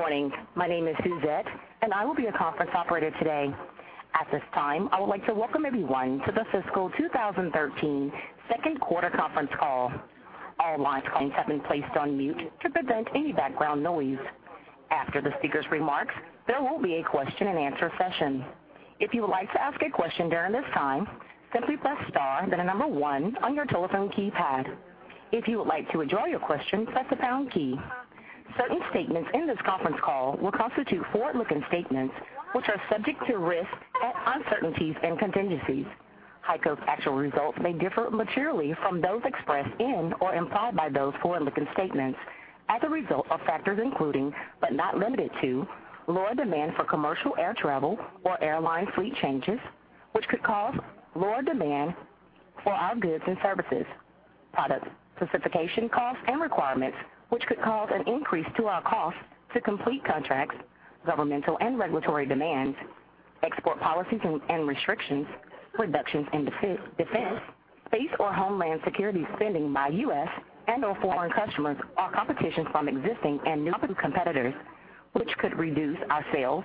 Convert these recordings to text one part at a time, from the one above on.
Good morning. My name is Suzette, and I will be your conference operator today. At this time, I would like to welcome everyone to the fiscal 2013 second quarter conference call. All lines have been placed on mute to prevent any background noise. After the speaker's remarks, there will be a question and answer session. If you would like to ask a question during this time, simply press star, then 1 on your telephone keypad. If you would like to withdraw your question, press the pound key. Certain statements in this conference call will constitute forward-looking statements, which are subject to risks, uncertainties, and contingencies. HEICO's actual results may differ materially from those expressed in or implied by those forward-looking statements as a result of factors including, but not limited to, lower demand for commercial air travel or airline fleet changes, which could cause lower demand for our goods and services, product specification costs and requirements, which could cause an increase to our costs to complete contracts, governmental and regulatory demands, export policies and restrictions, reductions in defense, space or homeland security spending by U.S. and/or foreign customers, or competition from existing and new competitors, which could reduce our sales,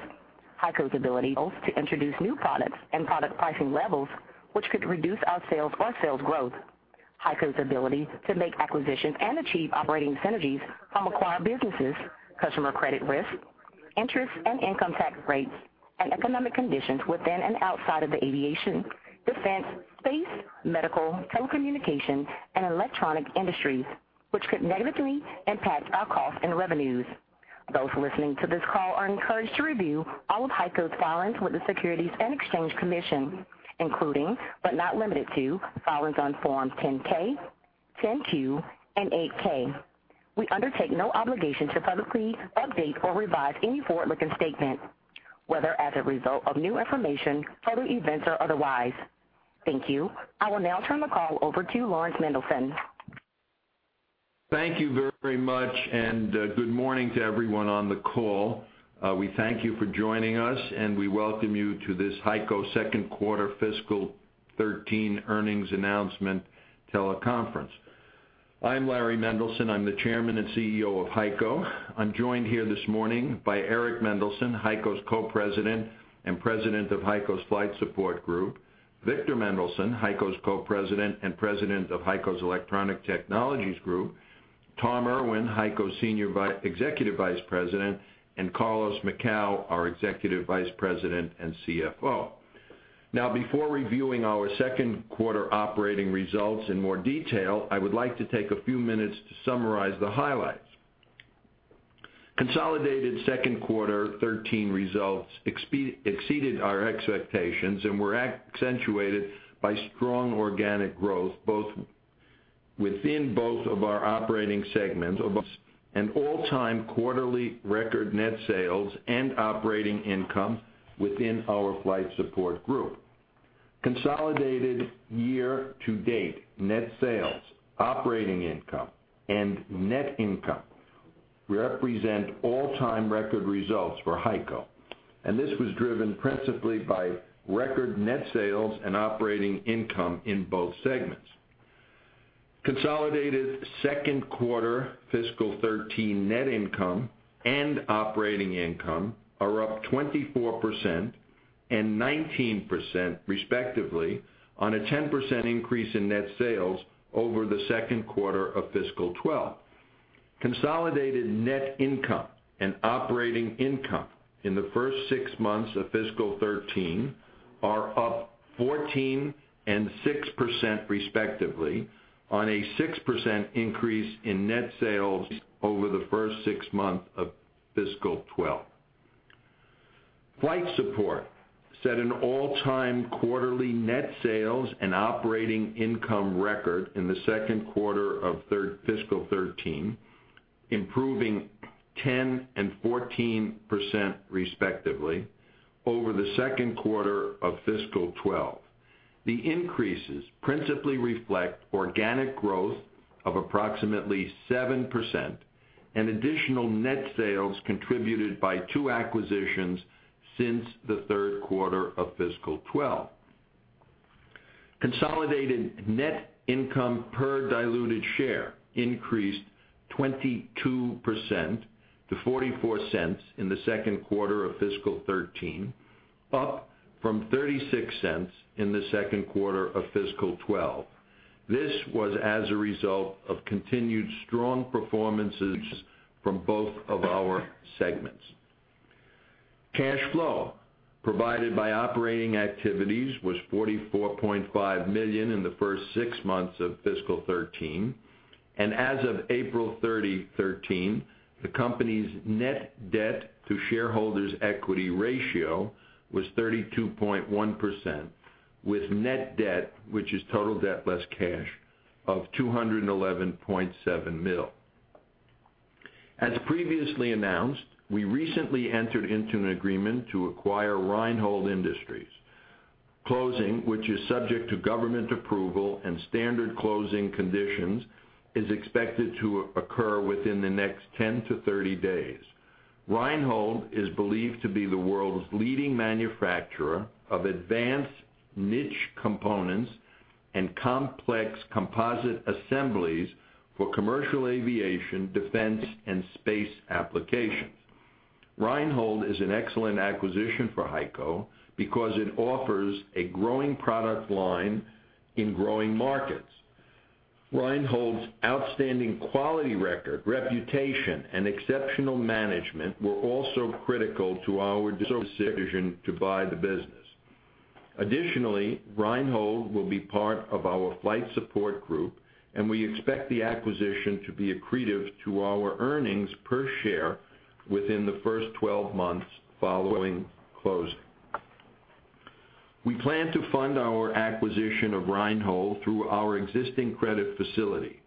HEICO's ability to introduce new products and product pricing levels, which could reduce our sales or sales growth. HEICO's ability to make acquisitions and achieve operating synergies from acquired businesses, customer credit risk, interest and income tax rates, and economic conditions within and outside of the aviation, defense, space, medical, telecommunication, and electronic industries, which could negatively impact our costs and revenues. Those listening to this call are encouraged to review all of HEICO's filings with the Securities and Exchange Commission, including, but not limited to, filings on forms 10-K, 10-Q, and 8-K. We undertake no obligation to publicly update or revise any forward-looking statements, whether as a result of new information, further events or otherwise. Thank you. I will now turn the call over to Laurans Mendelson. Thank you very much. Good morning to everyone on the call. We thank you for joining us. We welcome you to this HEICO second quarter fiscal 2013 earnings announcement teleconference. I'm Larry Mendelson. I'm the Chairman and CEO of HEICO. I'm joined here this morning by Eric Mendelson, HEICO's Co-President and President of HEICO's Flight Support Group, Victor Mendelson, HEICO's Co-President and President of HEICO's Electronic Technologies Group, Tom Irwin, HEICO's Executive Vice President, and Carlos Macau, our Executive Vice President and CFO. Before reviewing our second quarter operating results in more detail, I would like to take a few minutes to summarize the highlights. Consolidated second quarter 2013 results exceeded our expectations and were accentuated by strong organic growth, within both of our operating segments, an all-time quarterly record net sales and operating income within our Flight Support Group. Consolidated year-to-date net sales, operating income, and net income represent all-time record results for HEICO. This was driven principally by record net sales and operating income in both segments. Consolidated second quarter fiscal 2013 net income and operating income are up 24% and 19%, respectively, on a 10% increase in net sales over the second quarter of fiscal 2012. Consolidated net income and operating income in the first six months of fiscal 2013 are up 14% and 6%, respectively, on a 6% increase in net sales over the first six months of fiscal 2012. Flight Support Group set an all-time quarterly net sales and operating income record in the second quarter of fiscal 2013, improving 10% and 14%, respectively, over the second quarter of fiscal 2012. The increases principally reflect organic growth of approximately 7% and additional net sales contributed by two acquisitions since the third quarter of fiscal 2012. Consolidated net income per diluted share increased 22% to $0.44 in the second quarter of fiscal 2013, up from $0.36 in the second quarter of fiscal 2012. This was as a result of continued strong performances from both of our segments. Cash flow provided by operating activities was $44.5 million in the first six months of fiscal 2013. As of April 30th, 2013, the company's net debt to shareholders' equity ratio was 32.1%, with net debt, which is total debt less cash, of $211.7 million. As previously announced, we recently entered into an agreement to acquire Reinhold Industries. Closing, which is subject to government approval and standard closing conditions, is expected to occur within the next 10 to 30 days. Reinhold is believed to be the world's leading manufacturer of advanced niche components and complex composite assemblies for commercial aviation, defense, and space applications. Reinhold is an excellent acquisition for HEICO because it offers a growing product line in growing markets. Reinhold's outstanding quality record, reputation, and exceptional management were also critical to our decision to buy the business. Additionally, Reinhold will be part of our Flight Support Group, and we expect the acquisition to be accretive to our earnings per share within the first 12 months following closing. We plan to fund our acquisition of Reinhold through our existing credit facility.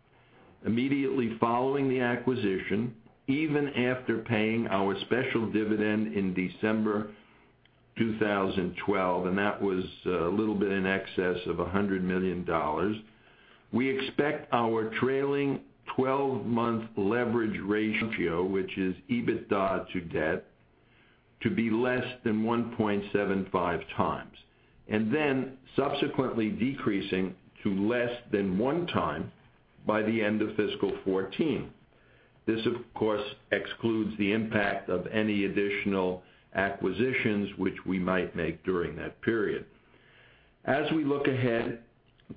Immediately following the acquisition, even after paying our special dividend in December 2012, and that was a little bit in excess of $100 million, we expect our trailing 12-month leverage ratio, which is EBITDA to debt, to be less than 1.75 times, and then subsequently decreasing to less than 1 time by the end of fiscal 2014. This, of course, excludes the impact of any additional acquisitions which we might make during that period. As we look ahead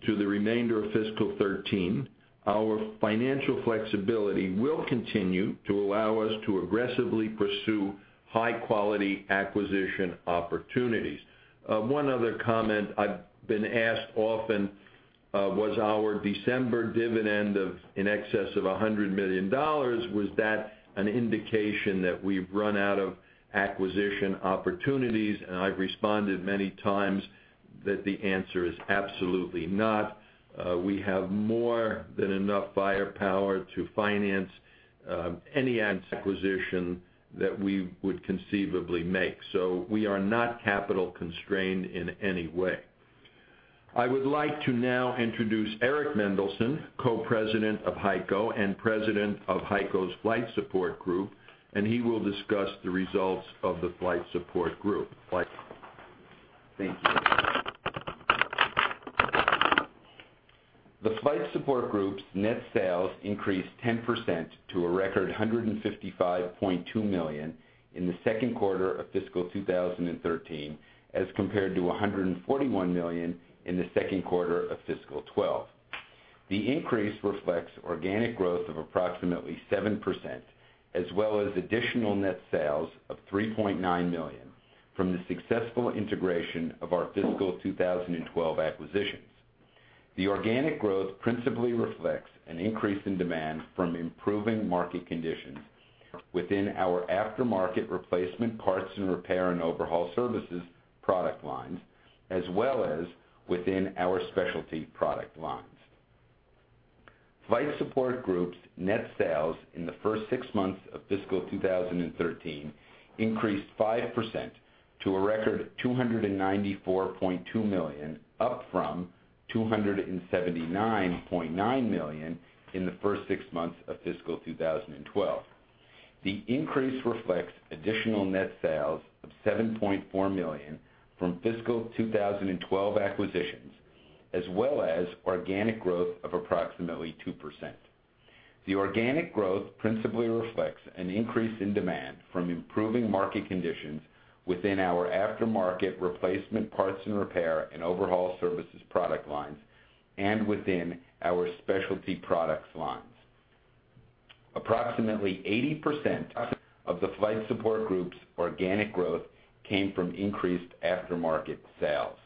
to the remainder of fiscal 2013, our financial flexibility will continue to allow us to aggressively pursue high-quality acquisition opportunities. One other comment I've been asked often was our December dividend of in excess of $100 million, was that an indication that we've run out of acquisition opportunities? I've responded many times that the answer is absolutely not. We have more than enough firepower to finance any acquisition that we would conceivably make. We are not capital constrained in any way. I would like to now introduce Eric Mendelson, Co-President of HEICO and President of HEICO's Flight Support Group, and he will discuss the results of the Flight Support Group. Thank you. The Flight Support Group's net sales increased 10% to a record $155.2 million in the second quarter of fiscal 2013, as compared to $141 million in the second quarter of fiscal 2012. The increase reflects organic growth of approximately 7%, as well as additional net sales of $3.9 million from the successful integration of our fiscal 2012 acquisitions. The organic growth principally reflects an increase in demand from improving market conditions within our aftermarket replacement parts and repair and overhaul services product lines, as well as within our specialty product lines. Flight Support Group's net sales in the first six months of fiscal 2013 increased 5% to a record $294.2 million, up from $279.9 million in the first six months of fiscal 2012. The increase reflects additional net sales of $7.4 million from fiscal 2012 acquisitions, as well as organic growth of approximately 2%. The organic growth principally reflects an increase in demand from improving market conditions within our aftermarket replacement parts and repair and overhaul services product lines and within our specialty product lines. Approximately 80% of the Flight Support Group's organic growth came from increased aftermarket sales.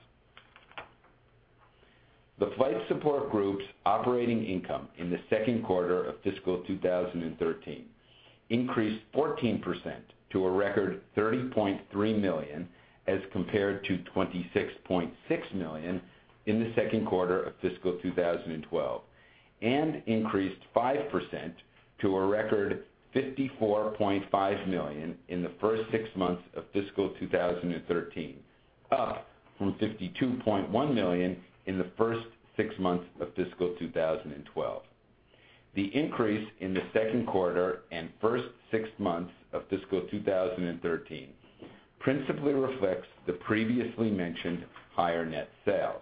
The Flight Support Group's operating income in the second quarter of fiscal 2013 increased 14% to a record $30.3 million, as compared to $26.6 million in the second quarter of fiscal 2012, and increased 5% to a record $54.5 million in the first six months of fiscal 2013, up from $52.1 million in the first six months of fiscal 2012. The increase in the second quarter and first six months of fiscal 2013 principally reflects the previously mentioned higher net sales.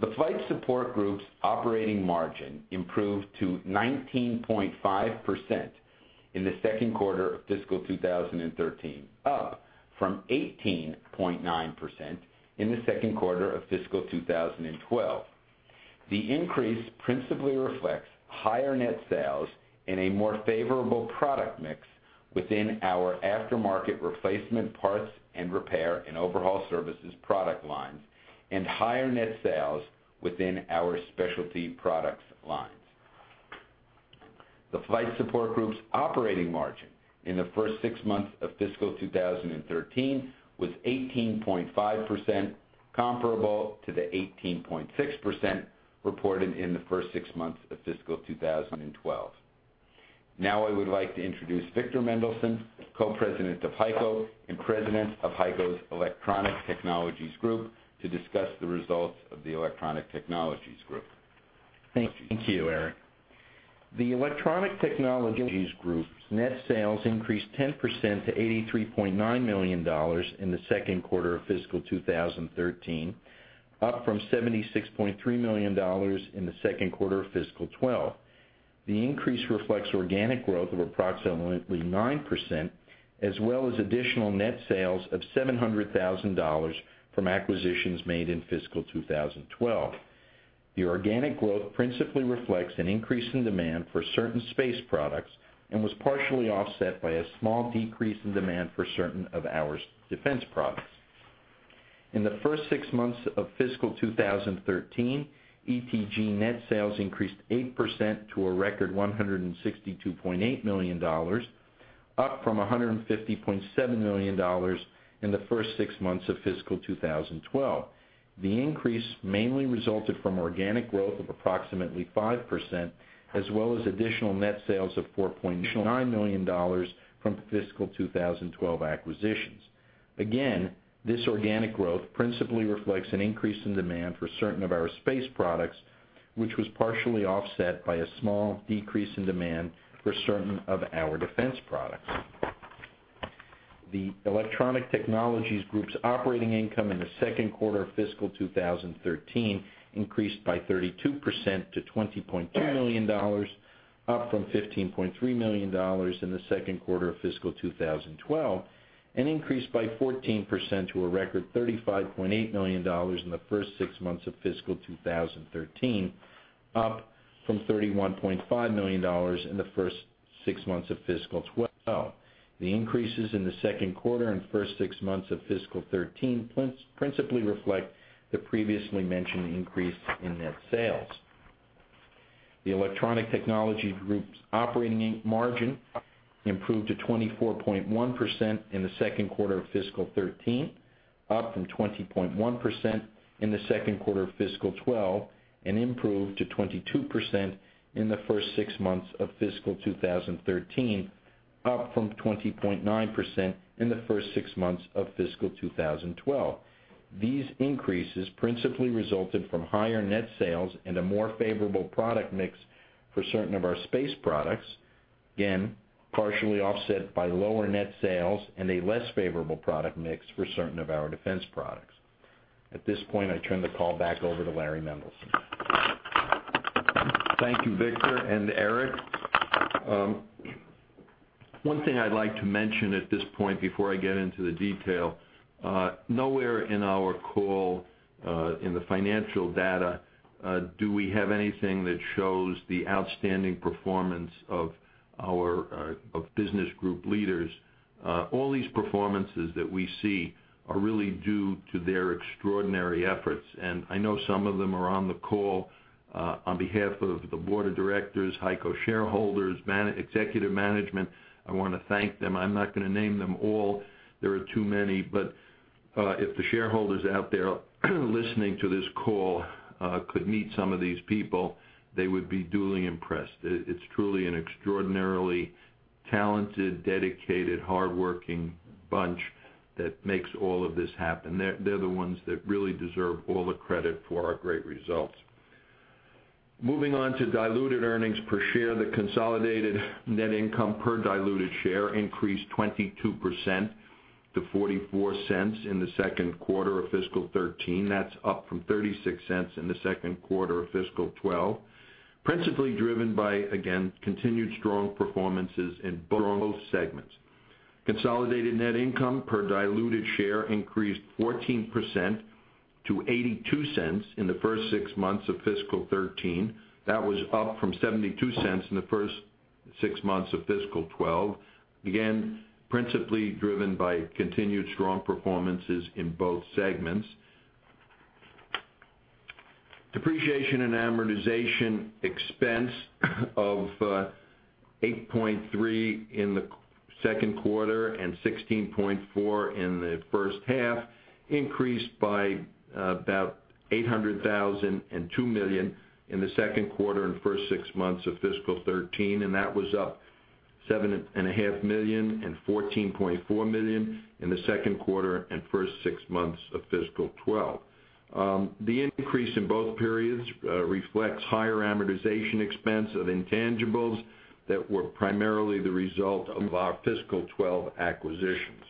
The Flight Support Group's operating margin improved to 19.5% in the second quarter of fiscal 2013, up from 18.9% in the second quarter of fiscal 2012. The increase principally reflects higher net sales and a more favorable product mix within our aftermarket replacement parts and repair and overhaul services product lines and higher net sales within our specialty product lines. The Flight Support Group's operating margin in the first six months of fiscal 2013 was 18.5%, comparable to the 18.6% reported in the first six months of fiscal 2012. Now I would like to introduce Victor Mendelson, Co-President of HEICO and President of HEICO's Electronic Technologies Group, to discuss the results of the Electronic Technologies Group. Thank you, Eric The Electronic Technologies Group's net sales increased 10% to $83.9 million in the second quarter of fiscal 2013, up from $76.3 million in the second quarter of fiscal 2012. The increase reflects organic growth of approximately 9%, as well as additional net sales of $700,000 from acquisitions made in fiscal 2012. The organic growth principally reflects an increase in demand for certain space products, and was partially offset by a small decrease in demand for certain of our defense products. In the first six months of fiscal 2013, ETG net sales increased 8% to a record $162.8 million, up from $150.7 million in the first six months of fiscal 2012. The increase mainly resulted from organic growth of approximately 5%, as well as additional net sales of $4.9 million from fiscal 2012 acquisitions. This organic growth principally reflects an increase in demand for certain of our space products, which was partially offset by a small decrease in demand for certain of our defense products. The Electronic Technologies Group's operating income in the second quarter of fiscal 2013 increased by 32% to $20.2 million, up from $15.3 million in the second quarter of fiscal 2012, and increased by 14% to a record $35.8 million in the first six months of fiscal 2013, up from $31.5 million in the first six months of fiscal 2012. The increases in the second quarter and first six months of fiscal 2013 principally reflect the previously mentioned increase in net sales. The Electronic Technologies Group's operating margin improved to 24.1% in the second quarter of fiscal 2013, up from 20.1% in the second quarter of fiscal 2012, and improved to 22% in the first six months of fiscal 2013, up from 20.9% in the first six months of fiscal 2012. These increases principally resulted from higher net sales and a more favorable product mix for certain of our space products, again, partially offset by lower net sales and a less favorable product mix for certain of our defense products. At this point, I turn the call back over to Larry Mendelson. Thank you, Victor and Eric. One thing I'd like to mention at this point before I get into the detail, nowhere in our call, in the financial data, do we have anything that shows the outstanding performance of business group leaders. All these performances that we see are really due to their extraordinary efforts, and I know some of them are on the call. On behalf of the board of directors, HEICO shareholders, executive management, I want to thank them. I'm not going to name them all. There are too many. If the shareholders out there listening to this call could meet some of these people, they would be duly impressed. It's truly an extraordinarily talented, dedicated, hardworking bunch that makes all of this happen. They're the ones that really deserve all the credit for our great results. Moving on to diluted earnings per share. The consolidated net income per diluted share increased 22% to $0.44 in the second quarter of fiscal 2013. That's up from $0.36 in the second quarter of fiscal 2012, principally driven by, again, continued strong performances in both segments. Consolidated net income per diluted share increased 14% to $0.82 in the first six months of fiscal 2013. That was up from $0.72 in the first six months of fiscal 2012, again, principally driven by continued strong performances in both segments. Depreciation and amortization expense of $8.3 million in the second quarter and $16.4 million in the first half increased by about $800,000 and $2 million in the second quarter and first six months of fiscal 2013, and that was up $7.5 million and $14.4 million in the second quarter and first six months of fiscal 2012. The increase in both periods reflects higher amortization expense of intangibles that were primarily the result of our fiscal 2012 acquisitions.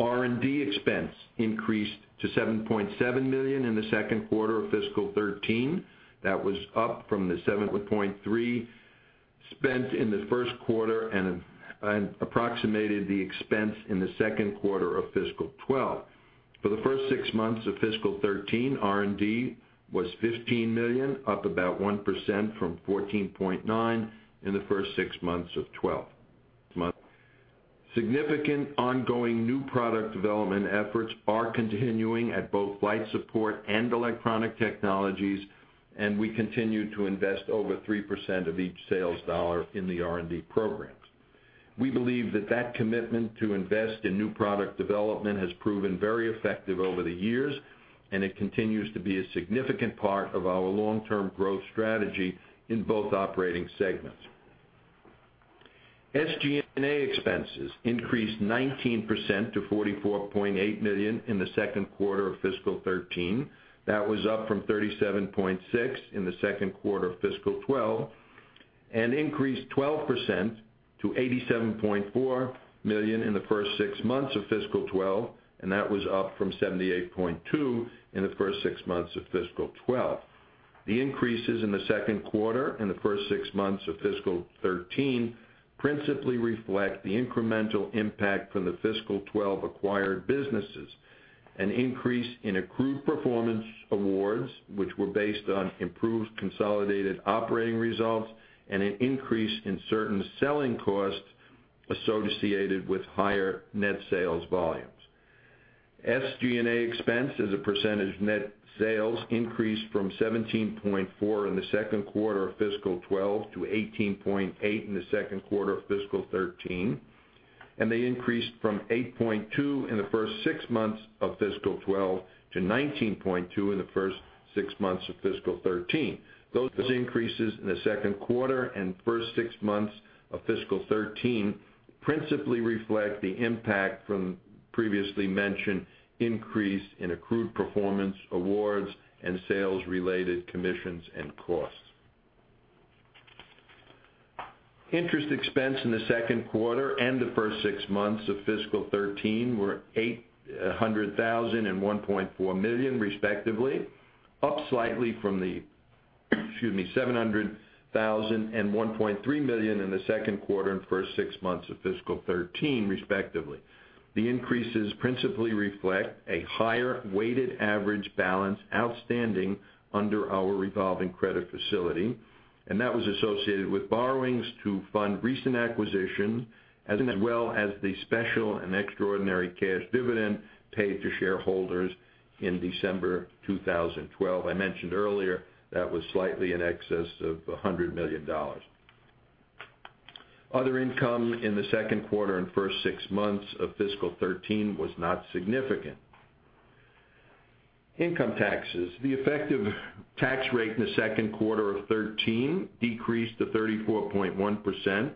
R&D expense increased to $7.7 million in the second quarter of fiscal 2013. That was up from the $7.3 million spent in the first quarter and approximated the expense in the second quarter of fiscal 2012. For the first six months of fiscal 2013, R&D was $15 million, up about 1% from $14.9 million in the first six months of 2012. Significant ongoing new product development efforts are continuing at both Flight Support and Electronic Technologies, and we continue to invest over 3% of each sales dollar in the R&D programs. We believe that that commitment to invest in new product development has proven very effective over the years, and it continues to be a significant part of our long-term growth strategy in both operating segments. SG&A expenses increased 19% to $44.8 million in the second quarter of fiscal 2013. That was up from $37.6 million in the second quarter of fiscal 2012, and increased 12% to $87.4 million in the first six months of fiscal 2012, and that was up from $78.2 million in the first six months of fiscal 2012. The increases in the second quarter and the first six months of fiscal 2013 principally reflect the incremental impact from the fiscal 2012 acquired businesses, an increase in accrued performance awards, which were based on improved consolidated operating results, and an increase in certain selling costs associated with higher net sales volumes. SG&A expense as a percentage of net sales increased from 17.4% in the second quarter of fiscal 2012 to 18.8% in the second quarter of fiscal 2013, and they increased from 18.2% in the first six months of fiscal 2012 to 19.2% in the first six months of fiscal 2013. Those increases in the second quarter and first six months of fiscal 2013 principally reflect the impact from previously mentioned increase in accrued performance awards and sales-related commissions and costs. Interest expense in the second quarter and the first six months of fiscal 2013 were $800,000 and $1.4 million respectively, up slightly from the $700,000 and $1.3 million in the second quarter and first six months of fiscal 2013, respectively. The increases principally reflect a higher weighted average balance outstanding under our revolving credit facility, that was associated with borrowings to fund recent acquisitions, as well as the special and extraordinary cash dividend paid to shareholders in December 2012. I mentioned earlier that was slightly in excess of $100 million. Other income in the second quarter and first six months of fiscal 2013 was not significant. Income taxes. The effective tax rate in the second quarter of 2013 decreased to 34.1%,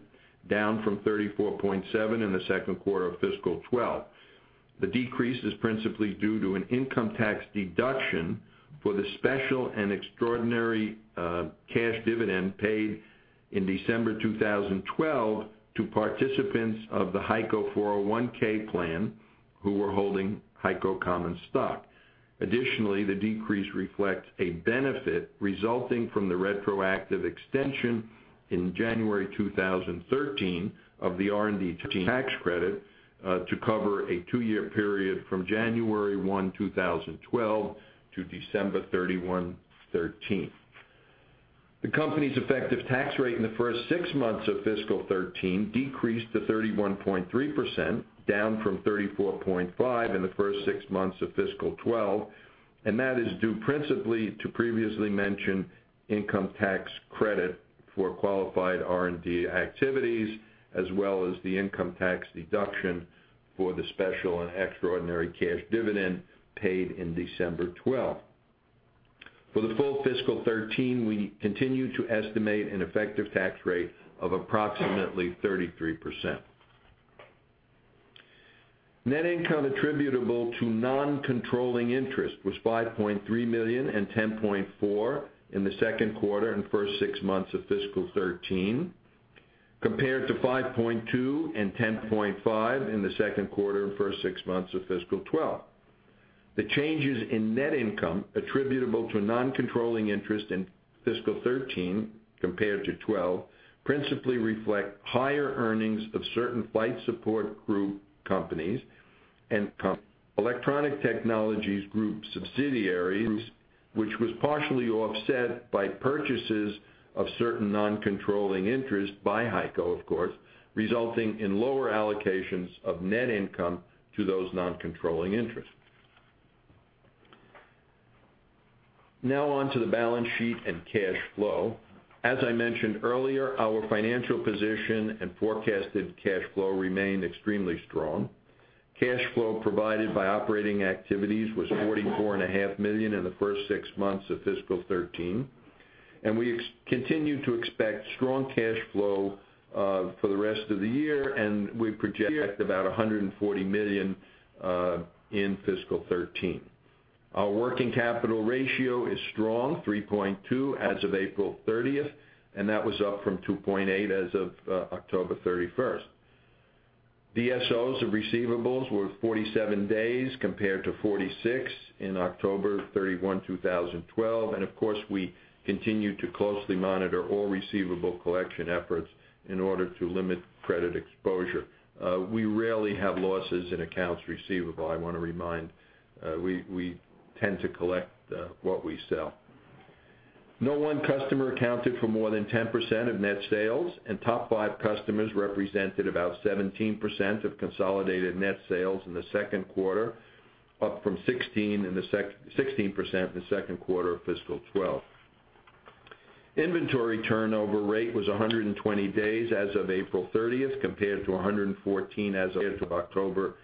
down from 34.7% in the second quarter of fiscal 2012. The decrease is principally due to an income tax deduction for the special and extraordinary cash dividend paid in December 2012 to participants of the HEICO 401 plan who were holding HEICO common stock. Additionally, the decrease reflects a benefit resulting from the retroactive extension in January 2013 of the R&D tax credit to cover a two-year period from January 1, 2012 to December 31, 2013. The company's effective tax rate in the first six months of fiscal 2013 decreased to 31.3%, down from 34.5% in the first six months of fiscal 2012, that is due principally to previously mentioned income tax credit for qualified R&D activities, as well as the income tax deduction for the special and extraordinary cash dividend paid in December 2012. For the full fiscal 2013, we continue to estimate an effective tax rate of approximately 33%. Net income attributable to non-controlling interest was $5.3 million and $10.4 in the second quarter and first six months of fiscal 2013, compared to $5.2 and $10.5 in the second quarter and first six months of fiscal 2012. The changes in net income attributable to a non-controlling interest in fiscal 2013 compared to 2012 principally reflect higher earnings of certain Flight Support Group companies and Electronic Technologies Group subsidiaries, which was partially offset by purchases of certain non-controlling interests by HEICO, of course, resulting in lower allocations of net income to those non-controlling interests. On to the balance sheet and cash flow. As I mentioned earlier, our financial position and forecasted cash flow remain extremely strong. Cash flow provided by operating activities was $44.5 million in the first six months of fiscal 2013, we continue to expect strong cash flow for the rest of the year, we project about $140 million in fiscal 2013. Our working capital ratio is strong, 3.2 as of April 30th, that was up from 2.8 as of October 31st. DSOs of receivables were 47 days compared to 46 in October 31, 2012. Of course, we continue to closely monitor all receivable collection efforts in order to limit credit exposure. We rarely have losses in accounts receivable, I want to remind. We tend to collect what we sell. No one customer accounted for more than 10% of net sales, top five customers represented about 17% of consolidated net sales in the second quarter, up from 16% in the second quarter of fiscal 2012. Inventory turnover rate was 120 days as of April 30th, compared to 114 as of October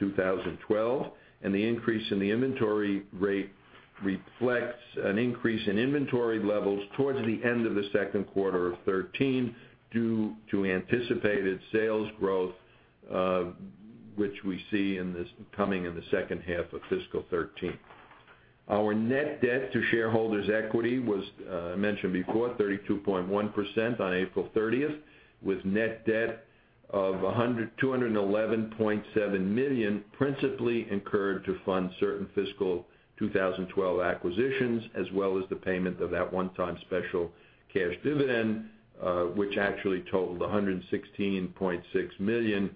2012, the increase in the inventory rate reflects an increase in inventory levels towards the end of the second quarter of 2013, due to anticipated sales growth which we see coming in the second half of fiscal 2013. Our net debt to shareholders' equity was, I mentioned before, 32.1% on April 30th, with net debt of $211.7 million principally incurred to fund certain fiscal 2012 acquisitions, as well as the payment of that one-time special cash dividend, which actually totaled $116.6 million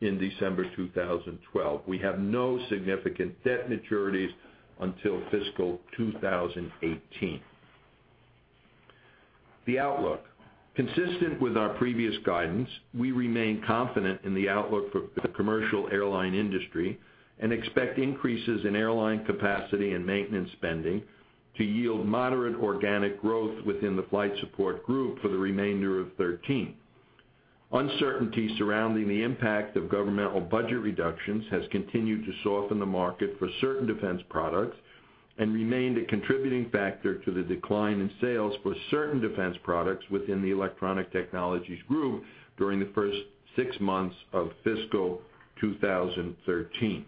in December 2012. We have no significant debt maturities until fiscal 2018. The outlook. Consistent with our previous guidance, we remain confident in the outlook for the commercial airline industry, and expect increases in airline capacity and maintenance spending to yield moderate organic growth within the Flight Support Group for the remainder of 2013. Uncertainty surrounding the impact of governmental budget reductions has continued to soften the market for certain defense products, and remained a contributing factor to the decline in sales for certain defense products within the Electronic Technologies Group during the first six months of fiscal 2013.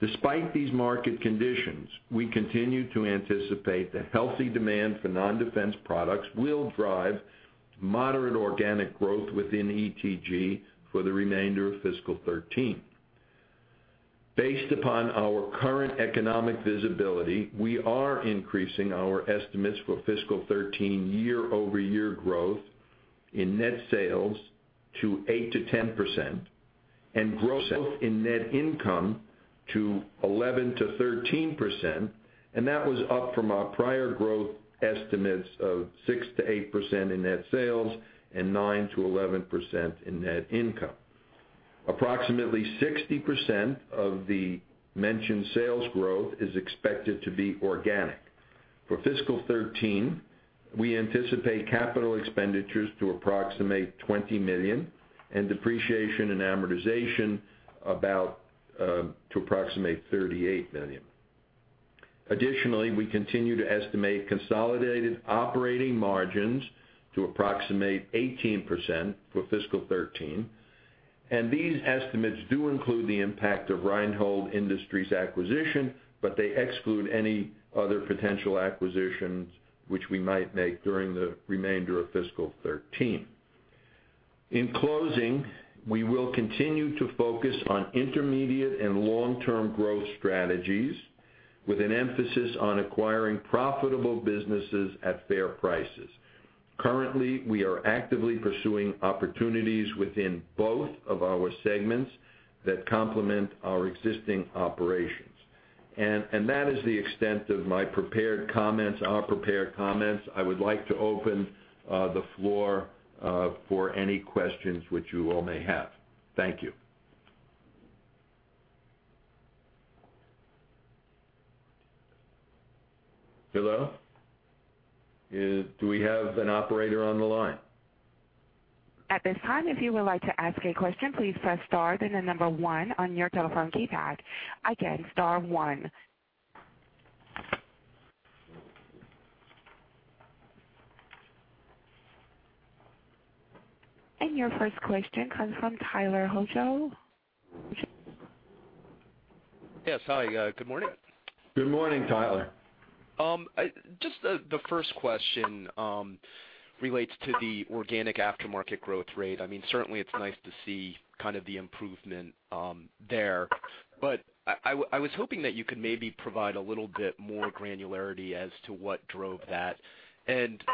Despite these market conditions, we continue to anticipate that healthy demand for non-defense products will drive moderate organic growth within ETG for the remainder of fiscal 2013. Based upon our current economic visibility, we are increasing our estimates for fiscal 2013 year-over-year growth in net sales to 8%-10%, and growth in net income to 11%-13%, that was up from our prior growth estimates of 6%-8% in net sales and 9%-11% in net income. Approximately 60% of the mentioned sales growth is expected to be organic. For fiscal 2013, we anticipate capital expenditures to approximate $20 million, and depreciation and amortization to approximate $38 million. We continue to estimate consolidated operating margins to approximate 18% for fiscal 2013, and these estimates do include the impact of Reinhold Industries acquisition, but they exclude any other potential acquisitions which we might make during the remainder of fiscal 2013. In closing, we will continue to focus on intermediate and long-term growth strategies, with an emphasis on acquiring profitable businesses at fair prices. Currently, we are actively pursuing opportunities within both of our segments that complement our existing operations. That is the extent of our prepared comments. I would like to open the floor for any questions which you all may have. Thank you. Hello? Do we have an operator on the line? At this time, if you would like to ask a question, please press star, then the number 1 on your telephone keypad. Again, star 1. Your first question comes from Tyler Hojo. Yes, hi. Good morning. Good morning, Tyler. The first question relates to the organic aftermarket growth rate. Certainly, it's nice to see the improvement there. I was hoping that you could maybe provide a little bit more granularity as to what drove that.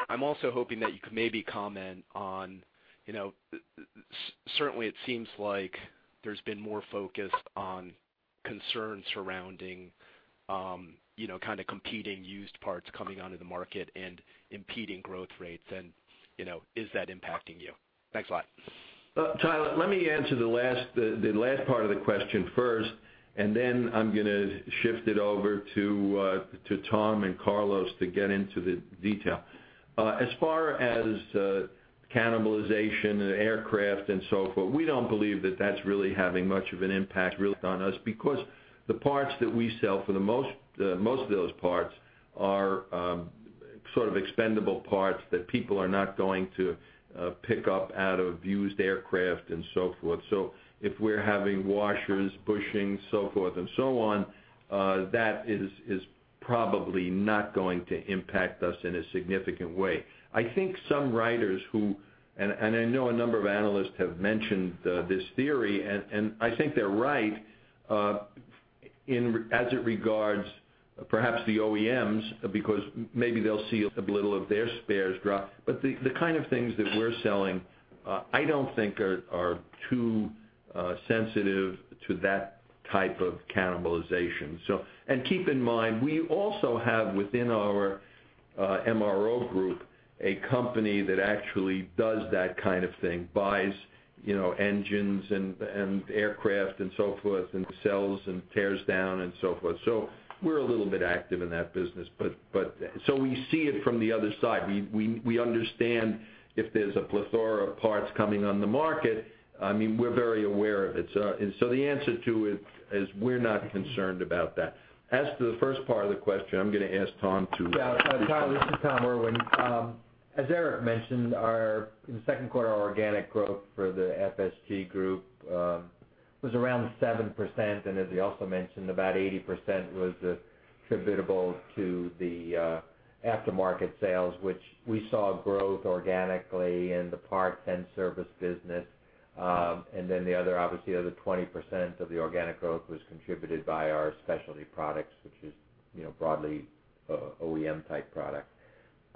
I'm also hoping that you could maybe comment on, certainly, it seems like there's been more focus on concerns surrounding competing used parts coming onto the market and impeding growth rates. Is that impacting you? Thanks a lot. Tyler, let me answer the last part of the question first, I'm going to shift it over to Tom and Carlos to get into the detail. As far as cannibalization and aircraft and so forth, we don't believe that that's really having much of an impact really on us, because most of those parts are expendable parts that people are not going to pick up out of used aircraft and so forth. If we're having washers, bushings, so forth and so on, that is probably not going to impact us in a significant way. I think some writers who, I know a number of analysts have mentioned this theory, and I think they're right, as it regards perhaps the OEMs, because maybe they'll see a little of their spares drop. The kind of things that we're selling, I don't think are too sensitive to that type of cannibalization. Keep in mind, we also have within our MRO group, a company that actually does that kind of thing, buys engines and aircraft and so forth, and sells and tears down and so forth. We're a little bit active in that business. We see it from the other side. We understand if there's a plethora of parts coming on the market, we're very aware of it. The answer to it is we're not concerned about that. As to the first part of the question, I'm going to ask Tom to- Yeah. Tyler, this is Tom Irwin. As Eric mentioned, in the second quarter, our organic growth for the FSG group was around 7%, as you also mentioned, about 80% was attributable to the aftermarket sales, which we saw growth organically in the parts and service business. Obviously, the other 20% of the organic growth was contributed by our specialty products, which is broadly OEM type product.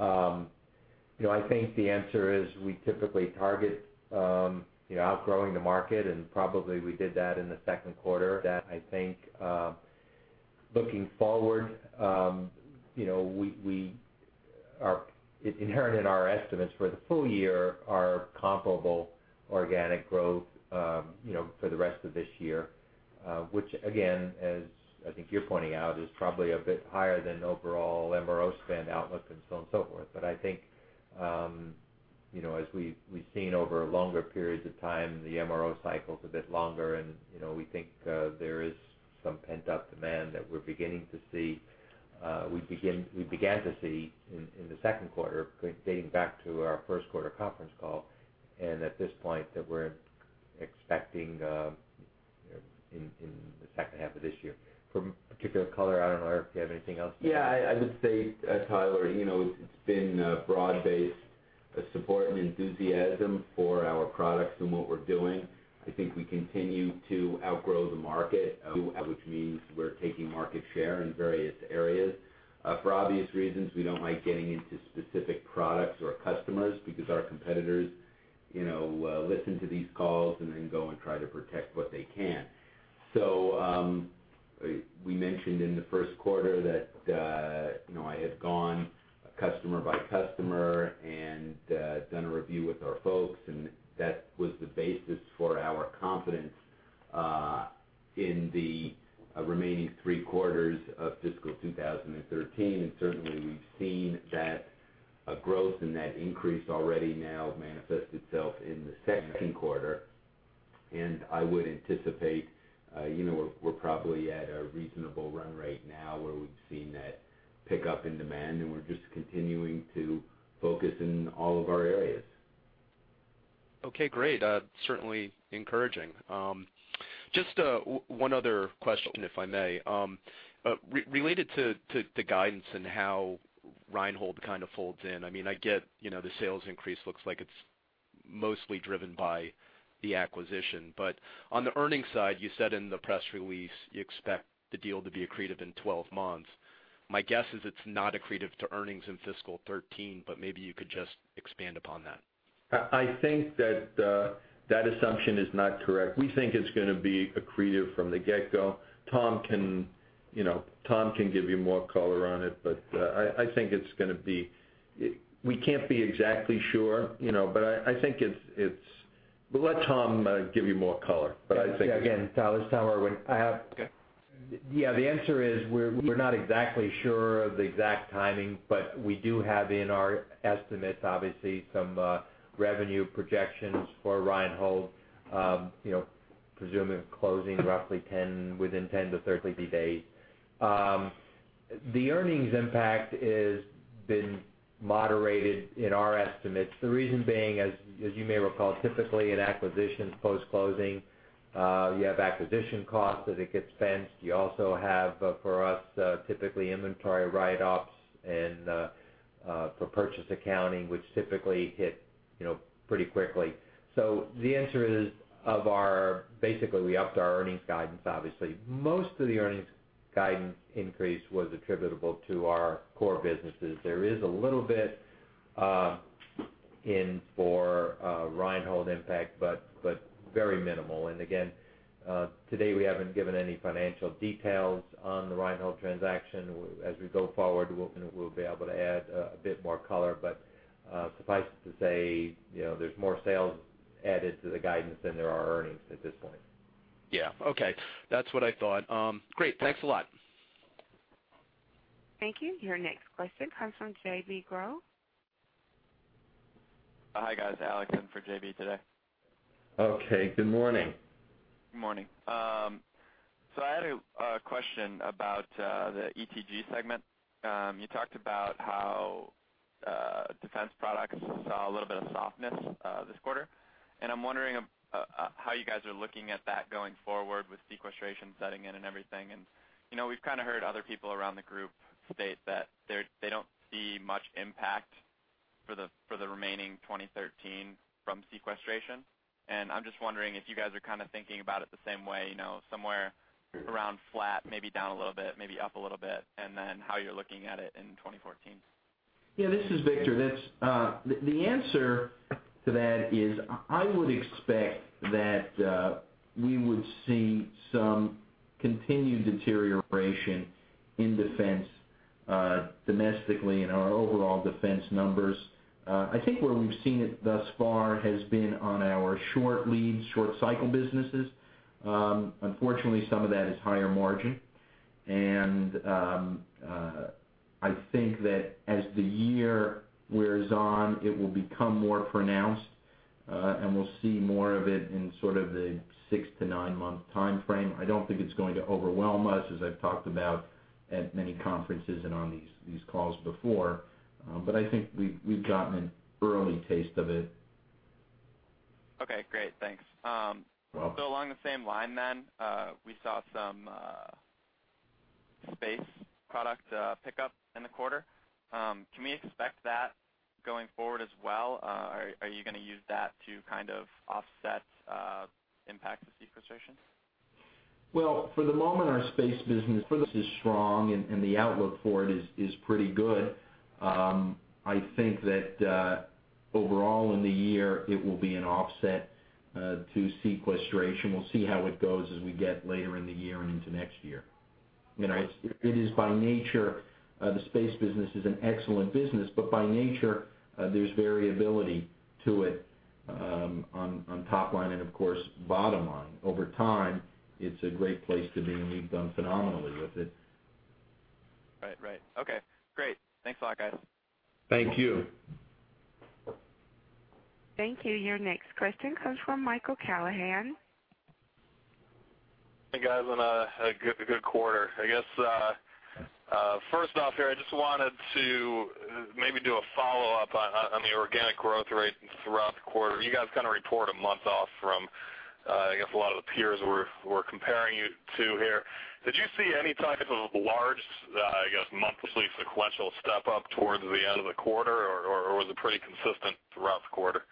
I think the answer is we typically target outgrowing the market, and probably we did that in the second quarter. I think, looking forward, inherent in our estimates for the full year are comparable organic growth for the rest of this year, which again, as I think you're pointing out, is probably a bit higher than overall MRO spend outlook and so on and so forth. I think, as we've seen over longer periods of time, the MRO cycle is a bit longer, and we think there is some pent-up demand that we're beginning to see, we began to see in the second quarter, dating back to our first quarter conference call, and at this point that we're expecting in the second half of this year. For particular color, I don't know, Eric, if you have anything else to add. I would say, Tyler, it's been broad-based support and enthusiasm for our products and what we're doing. I think we continue to outgrow the market, which means we're taking market share in various areas. For obvious reasons, we don't like getting into specific products or customers because our competitors listen to these calls and then go and try to protect what they can. We mentioned in the first quarter that I had gone customer by customer and done a review with our folks, and that was the basis for our confidence in the remaining three quarters of fiscal 2013. Certainly, we've seen that growth and that increase already now manifest itself in the second quarter. I would anticipate we're probably at a reasonable run rate now where we've seen that pickup in demand, and we're just continuing to focus in all of our areas. Okay, great. Certainly encouraging. Just one other question, if I may. Related to the guidance and how Reinhold kind of folds in. I get the sales increase looks like it's mostly driven by the acquisition, but on the earnings side, you said in the press release you expect the deal to be accretive in 12 months. My guess is it's not accretive to earnings in fiscal 2013, but maybe you could just expand upon that. I think that assumption is not correct. We think it's going to be accretive from the get-go. Tom can give you more color on it. We can't be exactly sure. We'll let Tom give you more color. Again, Tyler, it's Tom Irwin. Okay Yeah, the answer is we're not exactly sure of the exact timing, but we do have in our estimates, obviously, some revenue projections for Reinhold, presuming closing roughly within 10-30 days. The earnings impact has been moderated in our estimates. The reason being, as you may recall, typically in acquisitions post-closing, you have acquisition costs as it gets fenced. You also have, for us, typically inventory write-offs and for purchase accounting, which typically hit pretty quickly. The answer is, basically we upped our earnings guidance obviously. Most of the earnings guidance increase was attributable to our core businesses. There is a little bit in for Reinhold impact, but very minimal. And again, today we haven't given any financial details on the Reinhold transaction. As we go forward, we'll be able to add a bit more color. Suffice it to say, there's more sales added to the guidance than there are earnings at this point. Yeah. Okay. That's what I thought. Great. Thanks a lot. Thank you. Your next question comes from J.B. Groh. Hi, guys. Alex in for J.B. today. Okay. Good morning. Good morning. I had a question about the ETG segment. You talked about how defense products saw a little bit of softness this quarter, and I'm wondering how you guys are looking at that going forward with sequestration setting in and everything. We've kind of heard other people around the group state that they don't see much impact for the remaining 2013 from sequestration. I'm just wondering if you guys are kind of thinking about it the same way, somewhere around flat, maybe down a little bit, maybe up a little bit, and then how you're looking at it in 2014. Yeah, this is Victor. The answer to that is I would expect that we would see some continued deterioration in defense domestically in our overall defense numbers. I think where we've seen it thus far has been on our short lead, short cycle businesses. Unfortunately, some of that is higher margin. I think that as the year wears on, it will become more pronounced, and we'll see more of it in sort of the six to nine-month timeframe. I don't think it's going to overwhelm us, as I've talked about at many conferences and on these calls before. I think we've gotten an early taste of it Okay, great. Thanks. You're welcome. Along the same line then, we saw some space product pickup in the quarter. Can we expect that going forward as well? Are you going to use that to kind of offset impact to sequestration? Well, for the moment, our space business is strong, and the outlook for it is pretty good. I think that, overall, in the year, it will be an offset to sequestration. We'll see how it goes as we get later in the year and into next year. The space business is an excellent business, but by nature, there's variability to it on top line and, of course, bottom line. Over time, it's a great place to be, and we've done phenomenally with it. Right. Okay, great. Thanks a lot, guys. Thank you. Thank you. Your next question comes from Michael Ciarmoli. Hey, guys. On a good quarter. I guess, first off here, I just wanted to maybe do a follow-up on the organic growth rate throughout the quarter. You guys kind of report a month off from, I guess, a lot of the peers we're comparing you to here. Did you see any type of large, I guess, monthly sequential step-up towards the end of the quarter, or was it pretty consistent throughout the quarter?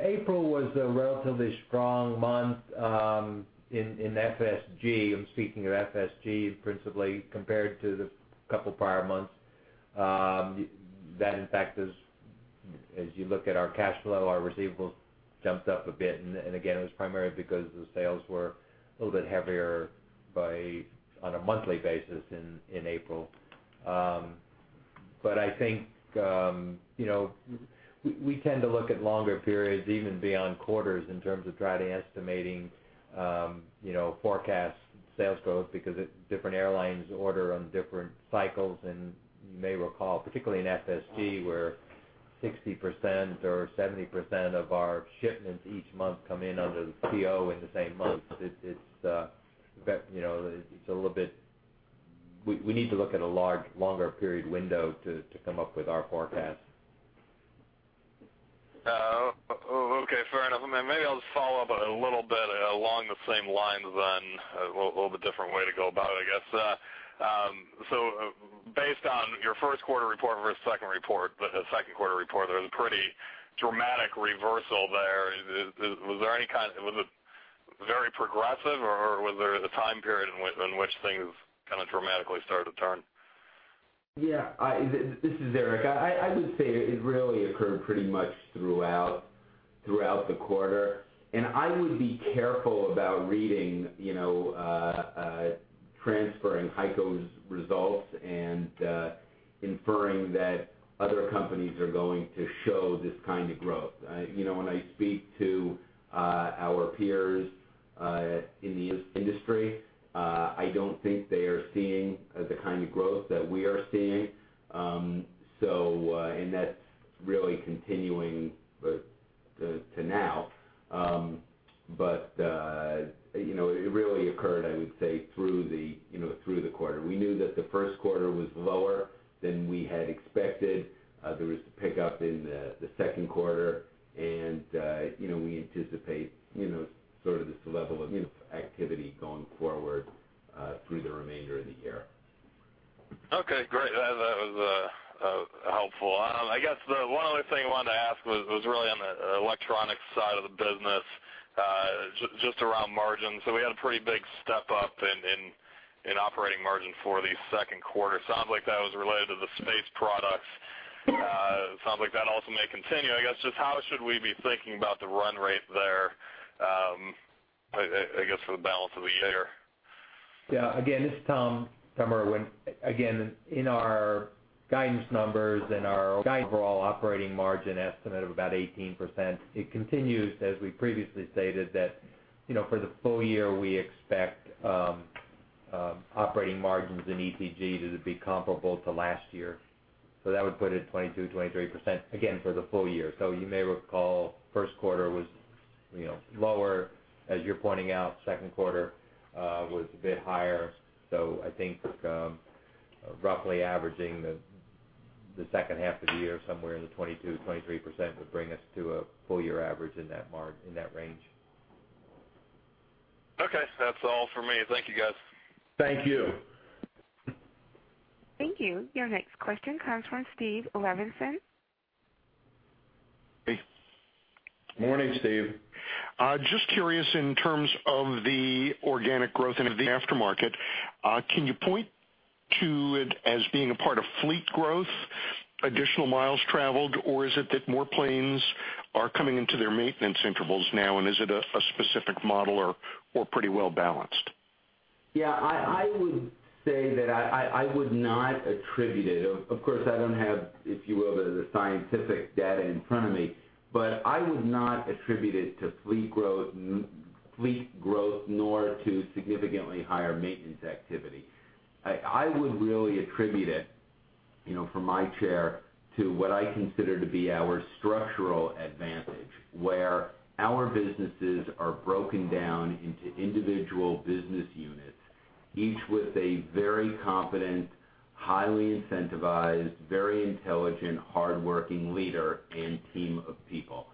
April was a relatively strong month, in FSG. I'm speaking of FSG principally, compared to the couple prior months. That, in fact, as you look at our cash flow, our receivables jumped up a bit, and again, it was primarily because the sales were a little bit heavier on a monthly basis in April. I think, we tend to look at longer periods, even beyond quarters, in terms of trying to estimating forecast sales growth, because different airlines order on different cycles. You may recall, particularly in FSG, where 60% or 70% of our shipments each month come in under the PO in the same month. We need to look at a longer period window to come up with our forecast. Okay, fair enough. Maybe I'll just follow up a little bit along the same lines then. A little bit different way to go about it, I guess. Based on your first quarter report versus second quarter report, there was a pretty dramatic reversal there. Was it very progressive, or was there a time period in which things kind of dramatically started to turn? Yeah. This is Eric. I would say it really occurred pretty much throughout the quarter, and I would be careful about reading, transferring HEICO's results and inferring that other companies are going to show this kind of growth. When I speak to our peers in the industry, I don't think they are seeing the kind of growth that we are seeing. That's really continuing to now. It really occurred, I would say, through the quarter. We knew that the first quarter was lower than we had expected. There was the pickup in the second quarter, and we anticipate sort of this level of activity going forward, through the remainder of the year. Okay, great. That was helpful. I guess the one other thing I wanted to ask was really on the electronics side of the business, just around margins. We had a pretty big step-up in operating margin for the second quarter. Sounds like that was related to the space products. Sounds like that also may continue. I guess, just how should we be thinking about the run rate there, I guess, for the balance of the year? Yeah. Again, this is Tom Irwin. Again, in our guidance numbers and our overall operating margin estimate of about 18%, it continues, as we previously stated, that for the full year, we expect operating margins in ETG to be comparable to last year. That would put it 22%-23%, again, for the full year. You may recall, first quarter was lower. As you're pointing out, second quarter was a bit higher. I think roughly averaging the second half of the year somewhere in the 22%-23% would bring us to a full year average in that range. Okay, that's all for me. Thank you, guys. Thank you. Thank you. Your next question comes from Stephen Levenson. Hey. Morning, Steve. Just curious in terms of the organic growth into the aftermarket, can you point to it as being a part of fleet growth, additional miles traveled, or is it that more planes are coming into their maintenance intervals now, and is it a specific model or pretty well-balanced? Yeah, I would say that I would not attribute it. Of course, I don't have, if you will, the scientific data in front of me, but I would not attribute it to fleet growth, nor to significantly higher maintenance activity. I would really attribute it, from my chair, to what I consider to be our structural advantage, where our businesses are broken down into individual business units. Each with a very competent, highly incentivized, very intelligent, hardworking leader and team of people.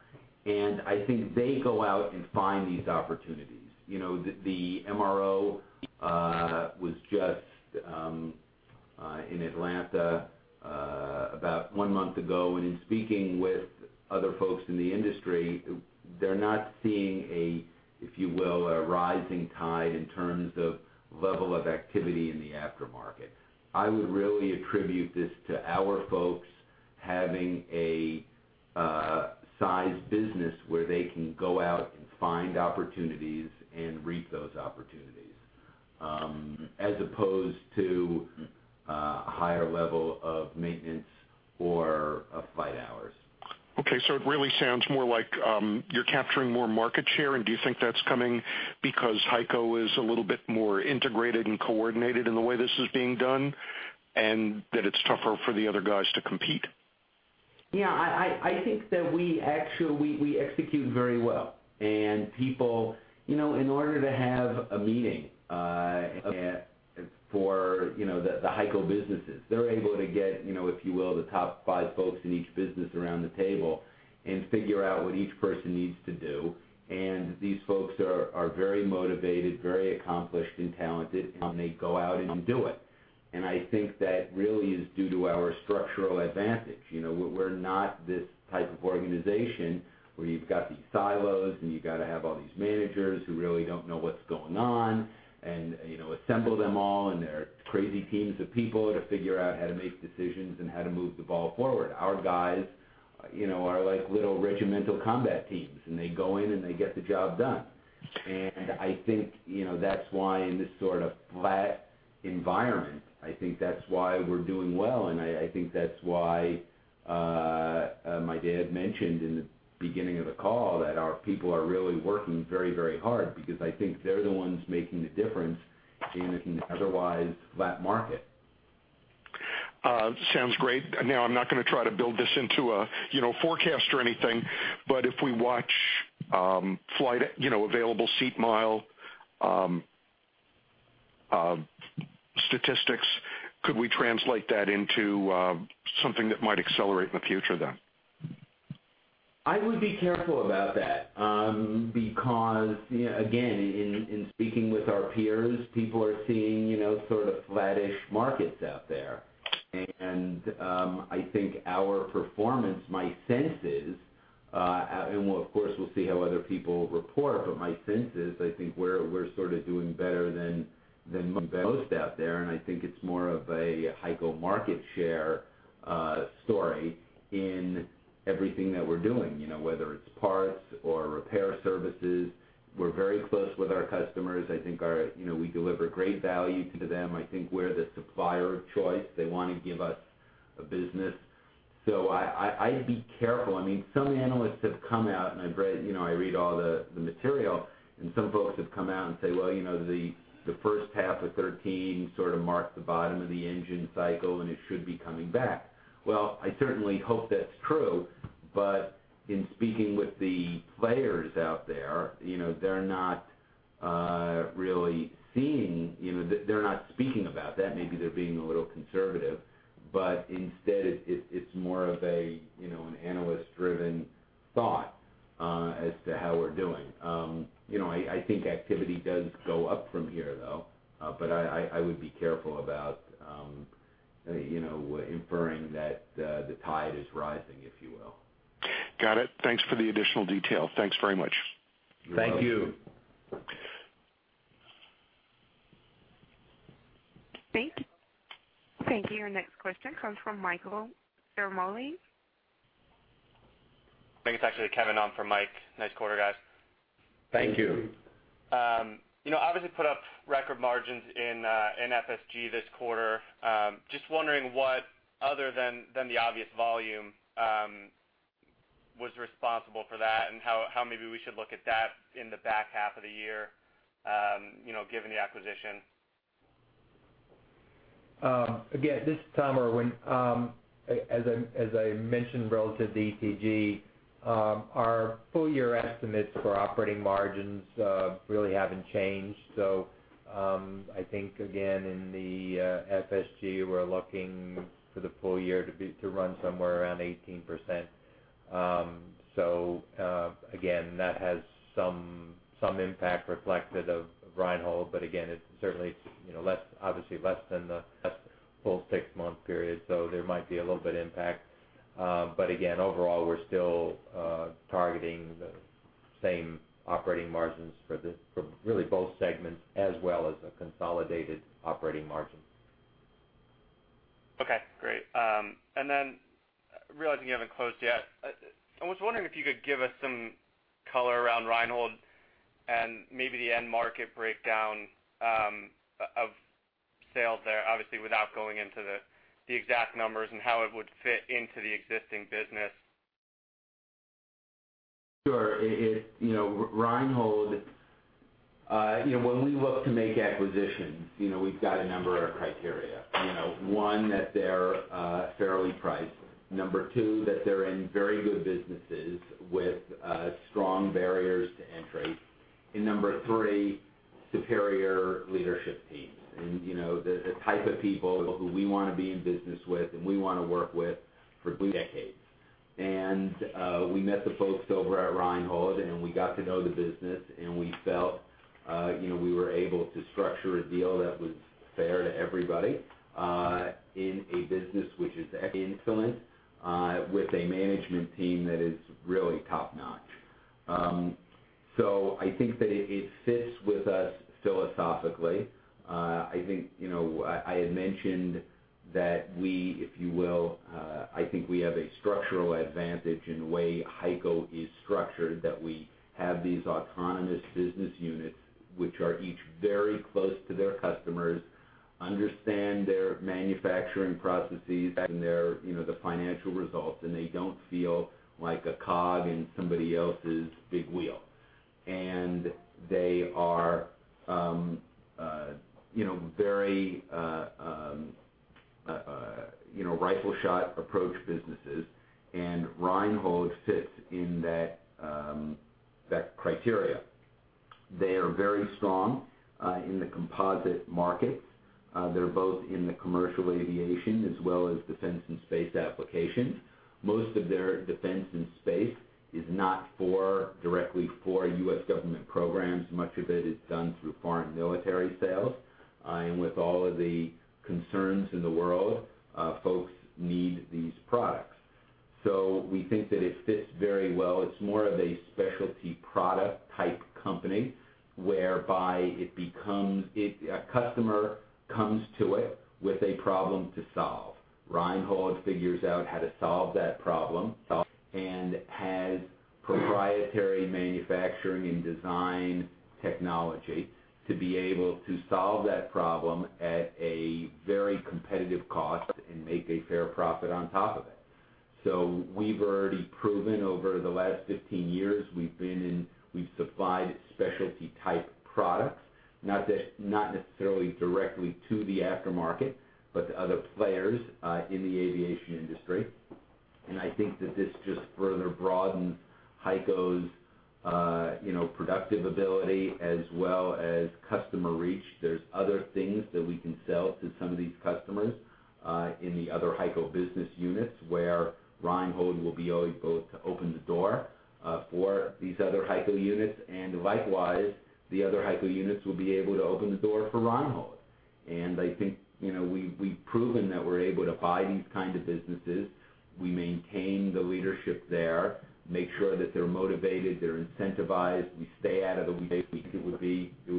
I think they go out and find these opportunities. The MRO was just in Atlanta about one month ago, and in speaking with other folks in the industry, they're not seeing a, if you will, a rising tide in terms of level of activity in the aftermarket. I would really attribute this to our folks having a sized business where they can go out and find opportunities and reap those opportunities, as opposed to a higher level of maintenance or of flight hours. Okay. It really sounds more like you're capturing more market share, and do you think that's coming because HEICO is a little bit more integrated and coordinated in the way this is being done, and that it's tougher for the other guys to compete? Yeah, I think that we execute very well. In order to have a meeting for the HEICO businesses, they're able to get, if you will, the top five folks in each business around the table and figure out what each person needs to do, and these folks are very motivated, very accomplished, and talented, and they go out and do it. I think that really is due to our structural advantage. We're not this type of organization where you've got these silos and you've got to have all these managers who really don't know what's going on, and assemble them all and their crazy teams of people to figure out how to make decisions and how to move the ball forward. Our guys are like little regimental combat teams, and they go in and they get the job done. I think that's why in this sort of flat environment, I think that's why we're doing well. I think that's why my dad mentioned in the beginning of the call that our people are really working very hard, because I think they're the ones making the difference in an otherwise flat market. Sounds great. Now, I'm not going to try to build this into a forecast or anything, but if we watch flight available seat mile statistics, could we translate that into something that might accelerate in the future then? I would be careful about that. Because again, in speaking with our peers, people are seeing sort of flattish markets out there. I think our performance, my sense is, and of course we'll see how other people report, My sense is I think we're sort of doing better than most out there, and I think it's more of a HEICO market share story in everything that we're doing, whether it's parts or repair services. We're very close with our customers. I think we deliver great value to them. I think we're the supplier of choice. They want to give us a business. I'd be careful. Some analysts have come out, I read all the material, Some folks have come out and say, "The first half of 2013 sort of marked the bottom of the engine cycle and it should be coming back." I certainly hope that's true, In speaking with the players out there, they're not speaking about that. Maybe they're being a little conservative. Instead, it's more of an analyst driven thought as to how we're doing. I think activity does go up from here, though. I would be careful about inferring that the tide is rising, if you will. Got it. Thanks for the additional detail. Thanks very much. You're welcome. Thank you. Thank you. Your next question comes from Michael Ciarmoli. I think it's actually Kevin on for Mike. Nice quarter, guys. Thank you. Put up record margins in FSG this quarter. Just wondering what, other than the obvious volume, was responsible for that and how maybe we should look at that in the back half of the year, given the acquisition. Again, this is Tom Irwin. As I mentioned relative to ETG, our full year estimates for operating margins really haven't changed. I think, again, in the FSG, we're looking for the full year to run somewhere around 18%. Again, that has some impact reflected of Reinhold, but again, it certainly is obviously less than the full six-month period, so there might be a little bit of impact. Again, overall, we're still targeting the same operating margins for really both segments as well as a consolidated operating margin. Okay. Great. Realizing you haven't closed yet, I was wondering if you could give us some color around Reinhold and maybe the end market breakdown of sales there, obviously without going into the exact numbers and how it would fit into the existing business. Sure. When we look to make acquisitions, we've got a number of criteria. One, that they're fairly priced. Number two, that they're in very good businesses with strong barriers to entry. Number three, superior leadership teams. The type of people who we want to be in business with and we want to work with for decades. We met the folks over at Reinhold, and we got to know the business, and we felt we were able to structure a deal that was fair to everybody, in a business which is excellent, with a management team that is really top-notch. I think that it fits with us philosophically. I had mentioned that we, if you will, I think we have a structural advantage in the way HEICO is structured, that we have these autonomous business units, which are each very close to their customers, understand their manufacturing processes and the financial results, and they don't feel like a cog in somebody else's big wheel. They are very rifle shot approach businesses, and Reinhold fits in that criteria. They are very strong in the composite markets. They're both in the commercial aviation as well as defense and space applications. Most of their defense and space is not directly for U.S. government programs. Much of it is done through Foreign Military Sales. With all of the concerns in the world, folks need these products. We think that it fits very well. It's more of a specialty product type company, whereby a customer comes to it with a problem to solve. Reinhold figures out how to solve that problem, and has proprietary manufacturing and design technology to be able to solve that problem at a very competitive cost and make a fair profit on top of it. We've already proven over the last 15 years, we've supplied specialty type products. Not necessarily directly to the aftermarket, but to other players in the aviation industry. I think that this just further broadens HEICO's productive ability as well as customer reach. There's other things that we can sell to some of these customers, in the other HEICO business units, where Reinhold will be able to open the door for these other HEICO units. Likewise, the other HEICO units will be able to open the door for Reinhold. I think we've proven that we're able to buy these kind of businesses. We maintain the leadership there, make sure that they're motivated, they're incentivized, we stay out of the way. We think it would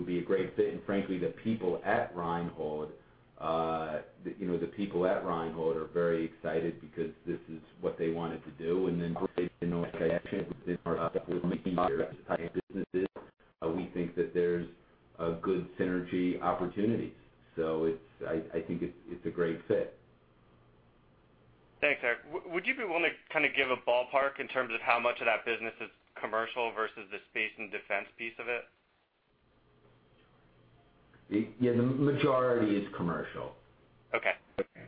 be a great fit, and frankly, the people at Reinhold are very excited because this is what they wanted to do. Type businesses, we think that there's a good synergy opportunity. I think it's a great fit. Thanks, Eric. Would you be willing to kind of give a ballpark in terms of how much of that business is commercial versus the space and defense piece of it? Yeah, the majority is commercial. Okay.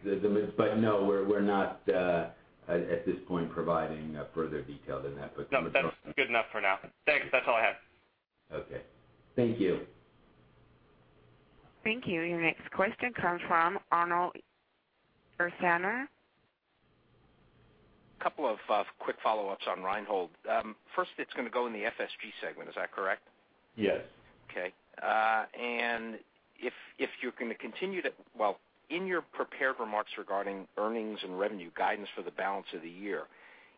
No, we're not, at this point, providing further detail than that. No, that's good enough for now. Thanks, that's all I have. Okay. Thank you. Thank you. Your next question comes from Arnold Ursaner. A couple of quick follow-ups on Reinhold. First, it's going to go in the FSG segment, is that correct? Yes. Okay. Well, in your prepared remarks regarding earnings and revenue guidance for the balance of the year,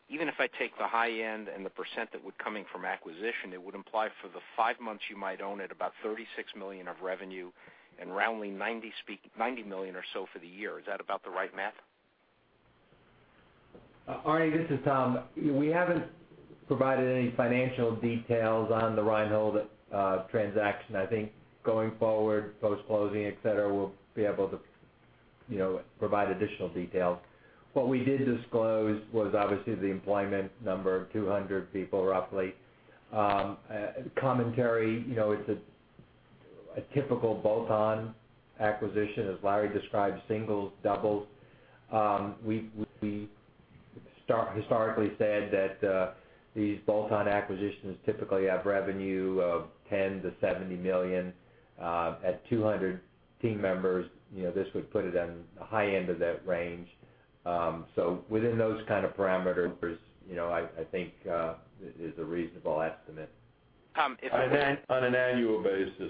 even if I take the high end and the % that would coming from acquisition, it would imply for the five months you might own it, about $36 million of revenue and roundly $90 million or so for the year. Is that about the right math? Arnie, this is Tom. We haven't provided any financial details on the Reinhold transaction. I think going forward, post-closing, et cetera, we'll be able to provide additional details. What we did disclose was obviously the employment number of 200 people, roughly. Commentary, it's a typical bolt-on acquisition, as Larry described, singles, doubles. We historically said that these bolt-on acquisitions typically have revenue of $10 million-$70 million. At 200 team members, this would put it on the high end of that range. Within those kind of parameters, I think, is a reasonable estimate. Tom, On an annual basis.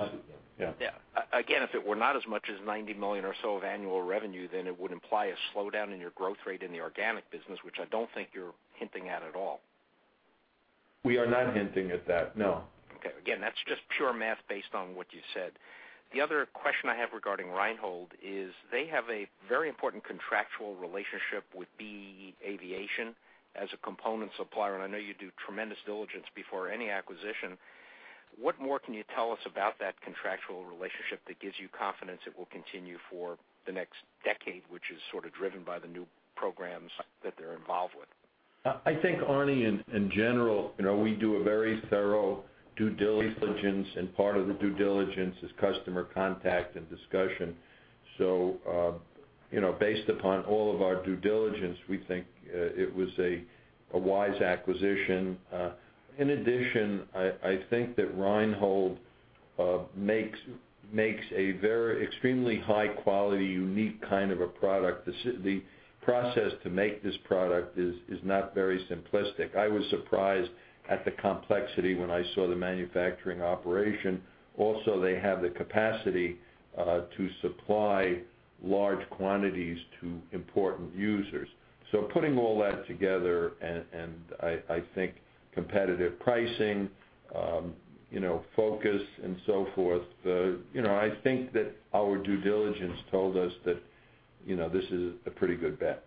Yeah. Yeah. If it were not as much as $90 million or so of annual revenue, then it would imply a slowdown in your growth rate in the organic business, which I don't think you're hinting at at all. We are not hinting at that, no. Okay. Again, that's just pure math based on what you said. The other question I have regarding Reinhold is they have a very important contractual relationship with B/E Aerospace as a component supplier. I know you do tremendous diligence before any acquisition. What more can you tell us about that contractual relationship that gives you confidence it will continue for the next decade, which is sort of driven by the new programs that they're involved with? I think, Arnie, in general, we do a very thorough due diligence. Part of the due diligence is customer contact and discussion. Based upon all of our due diligence, we think it was a wise acquisition. In addition, I think that Reinhold makes a extremely high-quality, unique kind of a product. The process to make this product is not very simplistic. I was surprised at the complexity when I saw the manufacturing operation. Also, they have the capacity to supply large quantities to important users. Putting all that together, and I think competitive pricing, focus, and so forth, I think that our due diligence told us that this is a pretty good bet.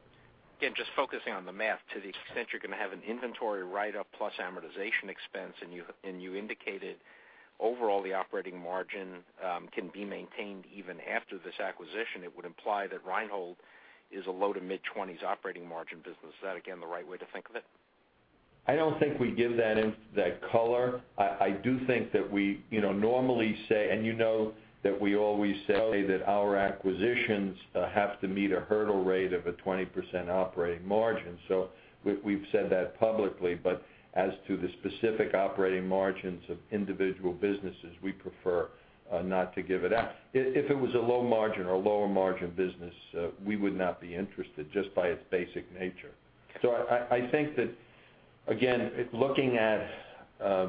Again, just focusing on the math, to the extent you're going to have an inventory write-up plus amortization expense. You indicated overall the operating margin can be maintained even after this acquisition, it would imply that Reinhold is a low to mid-20s operating margin business. Is that, again, the right way to think of it? I don't think we give that color. I do think that we normally say, and you know that we always say that our acquisitions have to meet a hurdle rate of a 20% operating margin. We've said that publicly, but as to the specific operating margins of individual businesses, we prefer not to give it out. If it was a low margin or lower margin business, we would not be interested just by its basic nature. I think that, again, looking at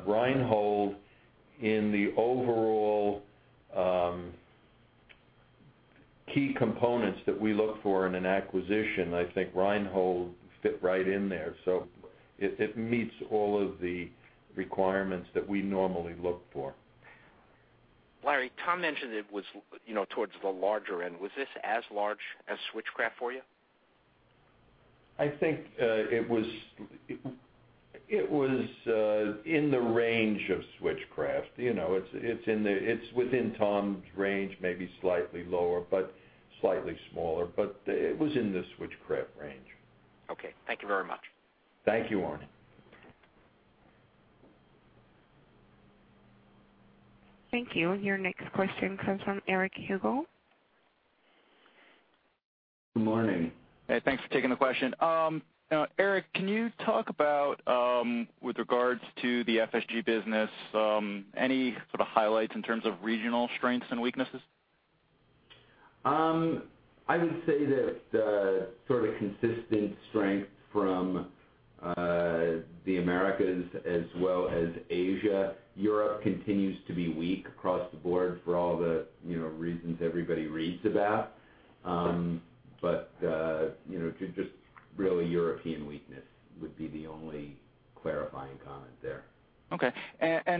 Reinhold in the overall key components that we look for in an acquisition, I think Reinhold fit right in there. It meets all of the requirements that we normally look for. Larry, Tom mentioned it was towards the larger end. Was this as large as Switchcraft for you? I think it was in the range of Switchcraft. It's within Tom's range, maybe slightly lower, but slightly smaller, but it was in the Switchcraft range. Okay. Thank you very much. Thank you, Arnie. Thank you. Your next question comes from Eric Hugel. Good morning. Hey, thanks for taking the question. Eric, can you talk about, with regards to the FSG business, any sort of highlights in terms of regional strengths and weaknesses? I would say that the sort of consistent strength from the Americas as well as Asia. Europe continues to be weak across the board for all the reasons everybody reads about. Okay. Just really European weakness would be the only clarifying comment there. Okay.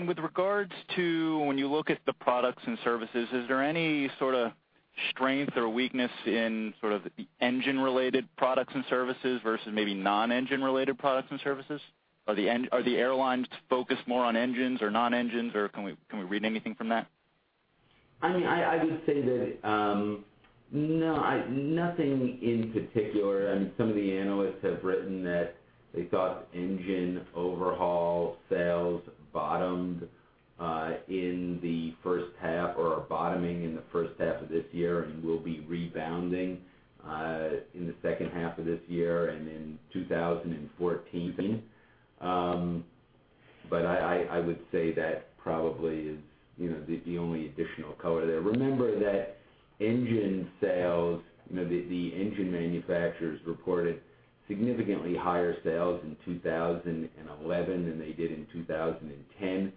With regards to when you look at the products and services, is there any sort of strength or weakness in the engine-related products and services versus maybe non-engine related products and services? Are the airlines focused more on engines or non-engines, or can we read anything from that? I would say that nothing in particular. Some of the analysts have written that they thought engine overhaul sales bottomed in the first half or are bottoming in the first half of this year and will be rebounding in the second half of this year and in 2014. I would say that probably is the only additional color there. Remember that engine sales, the engine manufacturers reported significantly higher sales in 2011 than they did in 2010,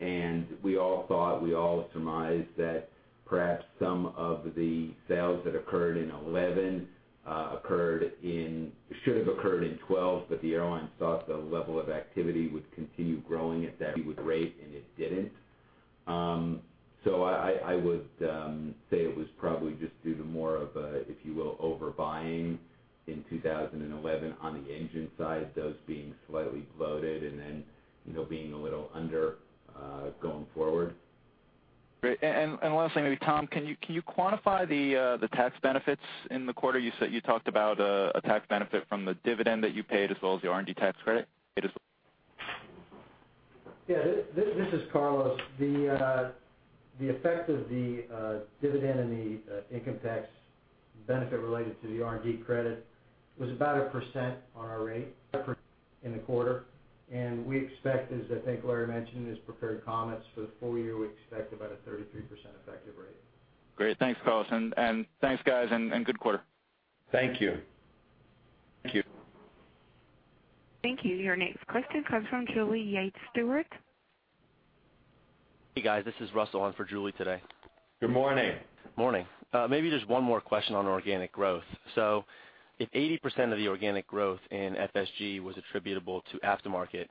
and we all thought, we all surmised that perhaps some of the sales that occurred in 2011 should have occurred in 2012, but the airlines thought the level of activity would continue growing at that rate, and it didn't. I would say it was probably just due to more of a, if you will, overbuying in 2011 on the engine side, those being slightly loaded and then being a little under going forward. Great. Last thing, maybe Tom, can you quantify the tax benefits in the quarter? You talked about a tax benefit from the dividend that you paid as well as the R&D tax credit. This is Carlos. The effect of the dividend and the income tax benefit related to the R&D credit was about 1% on our rate in the quarter, and we expect, as I think Larry mentioned in his prepared comments, for the full year, we expect about a 33% effective rate. Great. Thanks, Carlos, and thanks, guys, and good quarter. Thank you. Thank you. Thank you. Your next question comes from Julie Yates Stewart. Hey, guys, this is Russell on for Julie today. Good morning. Morning. Maybe just one more question on organic growth. If 80% of the organic growth in FSG was attributable to aftermarket,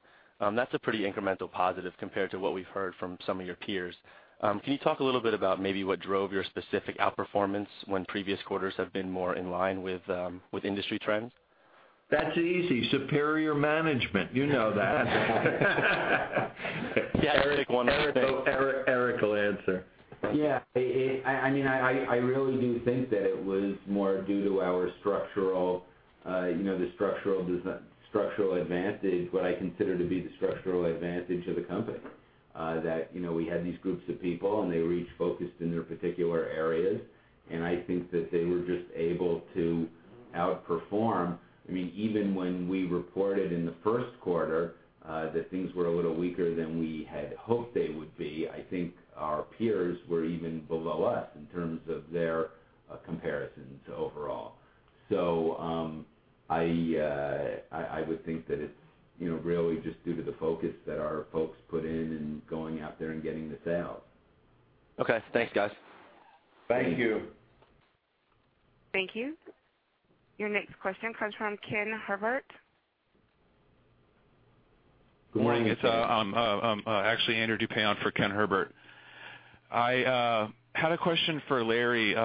that's a pretty incremental positive compared to what we've heard from some of your peers. Can you talk a little bit about maybe what drove your specific outperformance when previous quarters have been more in line with industry trends? That's easy, superior management. You know that. Yeah. Eric will answer. Yeah. I really do think that it was more due to our structural The structural advantage, what I consider to be the structural advantage of the company. That we had these groups of people and they were each focused in their particular areas. I think that they were just able to outperform. Even when we reported in the first quarter that things were a little weaker than we had hoped they would be, I think our peers were even below us in terms of their comparisons overall. I would think that it's really just due to the focus that our folks put in in going out there and getting the sale. Okay. Thanks, guys. Thank you. Thank you. Your next question comes from Kenneth Herbert. Go ahead, Ken. Good morning. It's actually Andrew Dupuy on for Kenneth Herbert. I had a question for Larry.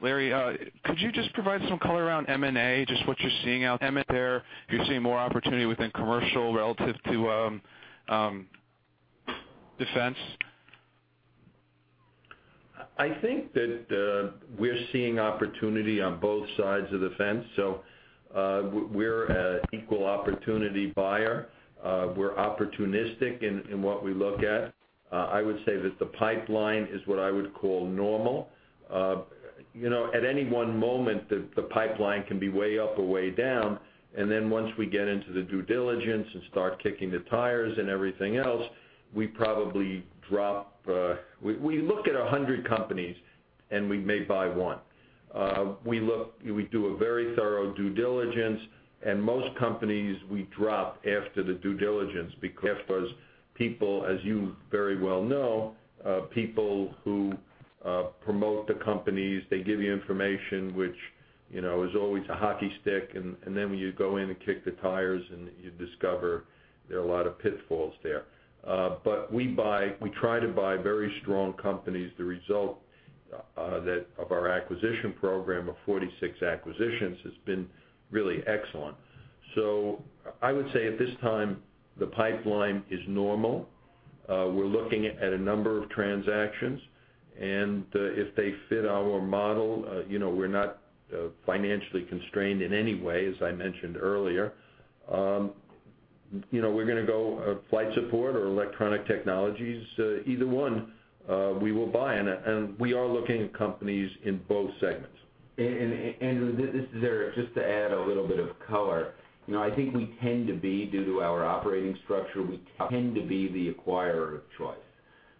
Larry, could you just provide some color around M&A, just what you're seeing out there? If you're seeing more opportunity within commercial relative to defense. I think that we're seeing opportunity on both sides of the fence. We're an equal opportunity buyer. We're opportunistic in what we look at. I would say that the pipeline is what I would call normal. At any one moment, the pipeline can be way up or way down. Once we get into the due diligence and start kicking the tires and everything else, We look at 100 companies, and we may buy one. We do a very thorough due diligence, and most companies, we drop after the due diligence because people, as you very well know, people who promote the companies, they give you information, which is always a hockey stick. When you go in and kick the tires, and you discover there are a lot of pitfalls there. We try to buy very strong companies. The result of our acquisition program of 46 acquisitions has been really excellent. I would say at this time, the pipeline is normal. We're looking at a number of transactions, and if they fit our model, we're not financially constrained in any way, as I mentioned earlier. We're going to go Flight Support or Electronic Technologies, either one, we will buy, and we are looking at companies in both segments. Andrew, this is Eric. Just to add a little bit of color. I think we tend to be, due to our operating structure, we tend to be the acquirer of choice.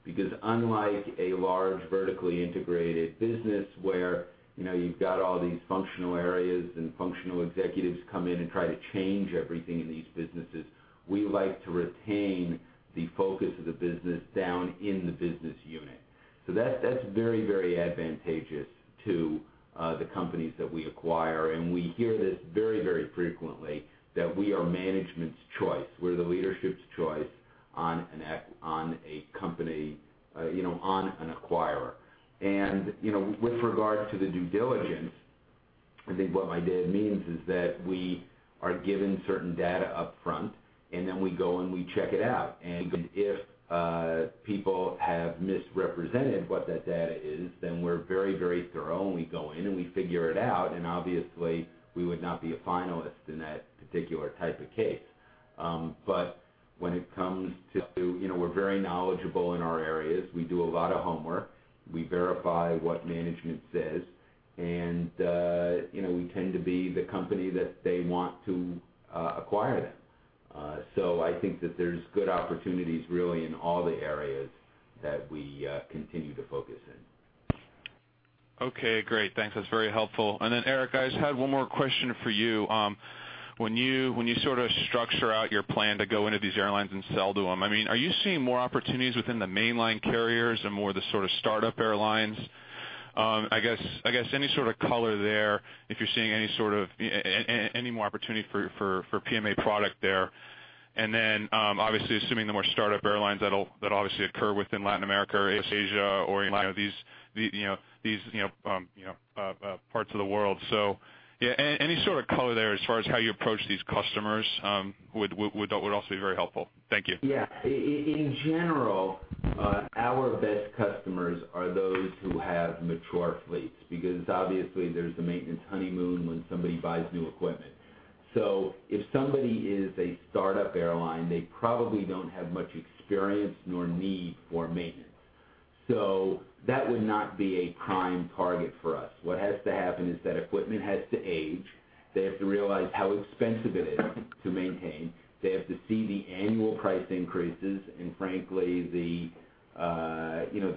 Because unlike a large vertically integrated business where you've got all these functional areas and functional executives come in and try to change everything in these businesses, we like to retain the focus of the business down in the business unit. That's very advantageous to the companies that we acquire. We hear this very frequently, that we are management's choice. We're the leadership's choice on an acquirer. With regard to the due diligence, I think what my dad means is that we are given certain data up front, and then we go and we check it out. If people have misrepresented what that data is, then we're very thorough, and we go in, and we figure it out, and obviously, we would not be a finalist in that particular type of case. We're very knowledgeable in our areas. We do a lot of homework. We verify what management says, and we tend to be the company that they want to acquire them. I think that there's good opportunities really in all the areas that we continue to focus in. Okay, great. Thanks. That's very helpful. Eric, I just had one more question for you. When you sort of structure out your plan to go into these airlines and sell to them, are you seeing more opportunities within the mainline carriers or more the sort of start-up airlines? I guess any sort of color there, if you're seeing any more opportunity for PMA product there. Obviously assuming the more start-up airlines that'll obviously occur within Latin America or East Asia or these parts of the world. Any sort of color there as far as how you approach these customers would also be very helpful. Thank you. Yeah. In general, our best customers are those who have mature fleets because obviously there's the maintenance honeymoon when somebody buys new equipment. If somebody is a start-up airline, they probably don't have much experience nor need for maintenance. That would not be a prime target for us. What has to happen is that equipment has to age. They have to realize how expensive it is to maintain. They have to see the annual price increases, and frankly, the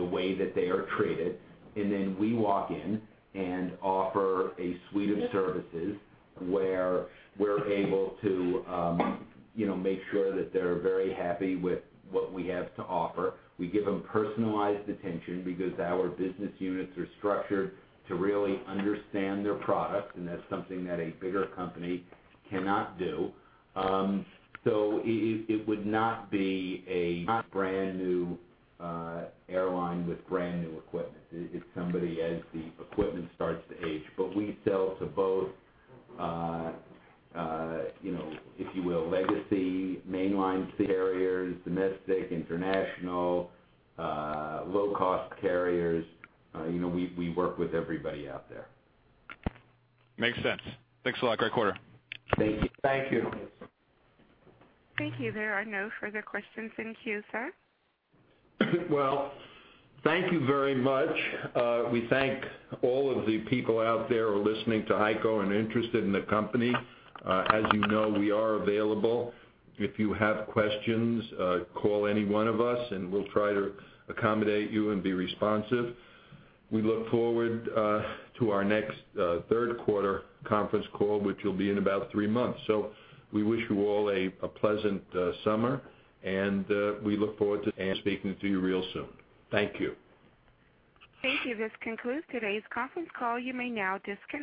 way that they are treated. We walk in and offer a suite of services where we're able to make sure that they're very happy with what we have to offer. We give them personalized attention because our business units are structured to really understand their product, and that's something that a bigger company cannot do. It would not be a brand-new airline with brand-new equipment. It's somebody as the equipment starts to age. We sell to both, if you will, legacy mainline carriers, domestic, international, low-cost carriers. We work with everybody out there. Makes sense. Thanks a lot. Great quarter. Thank you. Thank you. Thank you. There are no further questions in queue, sir. Thank you very much. We thank all of the people out there who are listening to HEICO and interested in the company. As you know, we are available. If you have questions, call any one of us, and we'll try to accommodate you and be responsive. We look forward to our next third quarter conference call, which will be in about three months. We wish you all a pleasant summer, and we look forward to speaking to you real soon. Thank you. Thank you. This concludes today's conference call. You may now disconnect.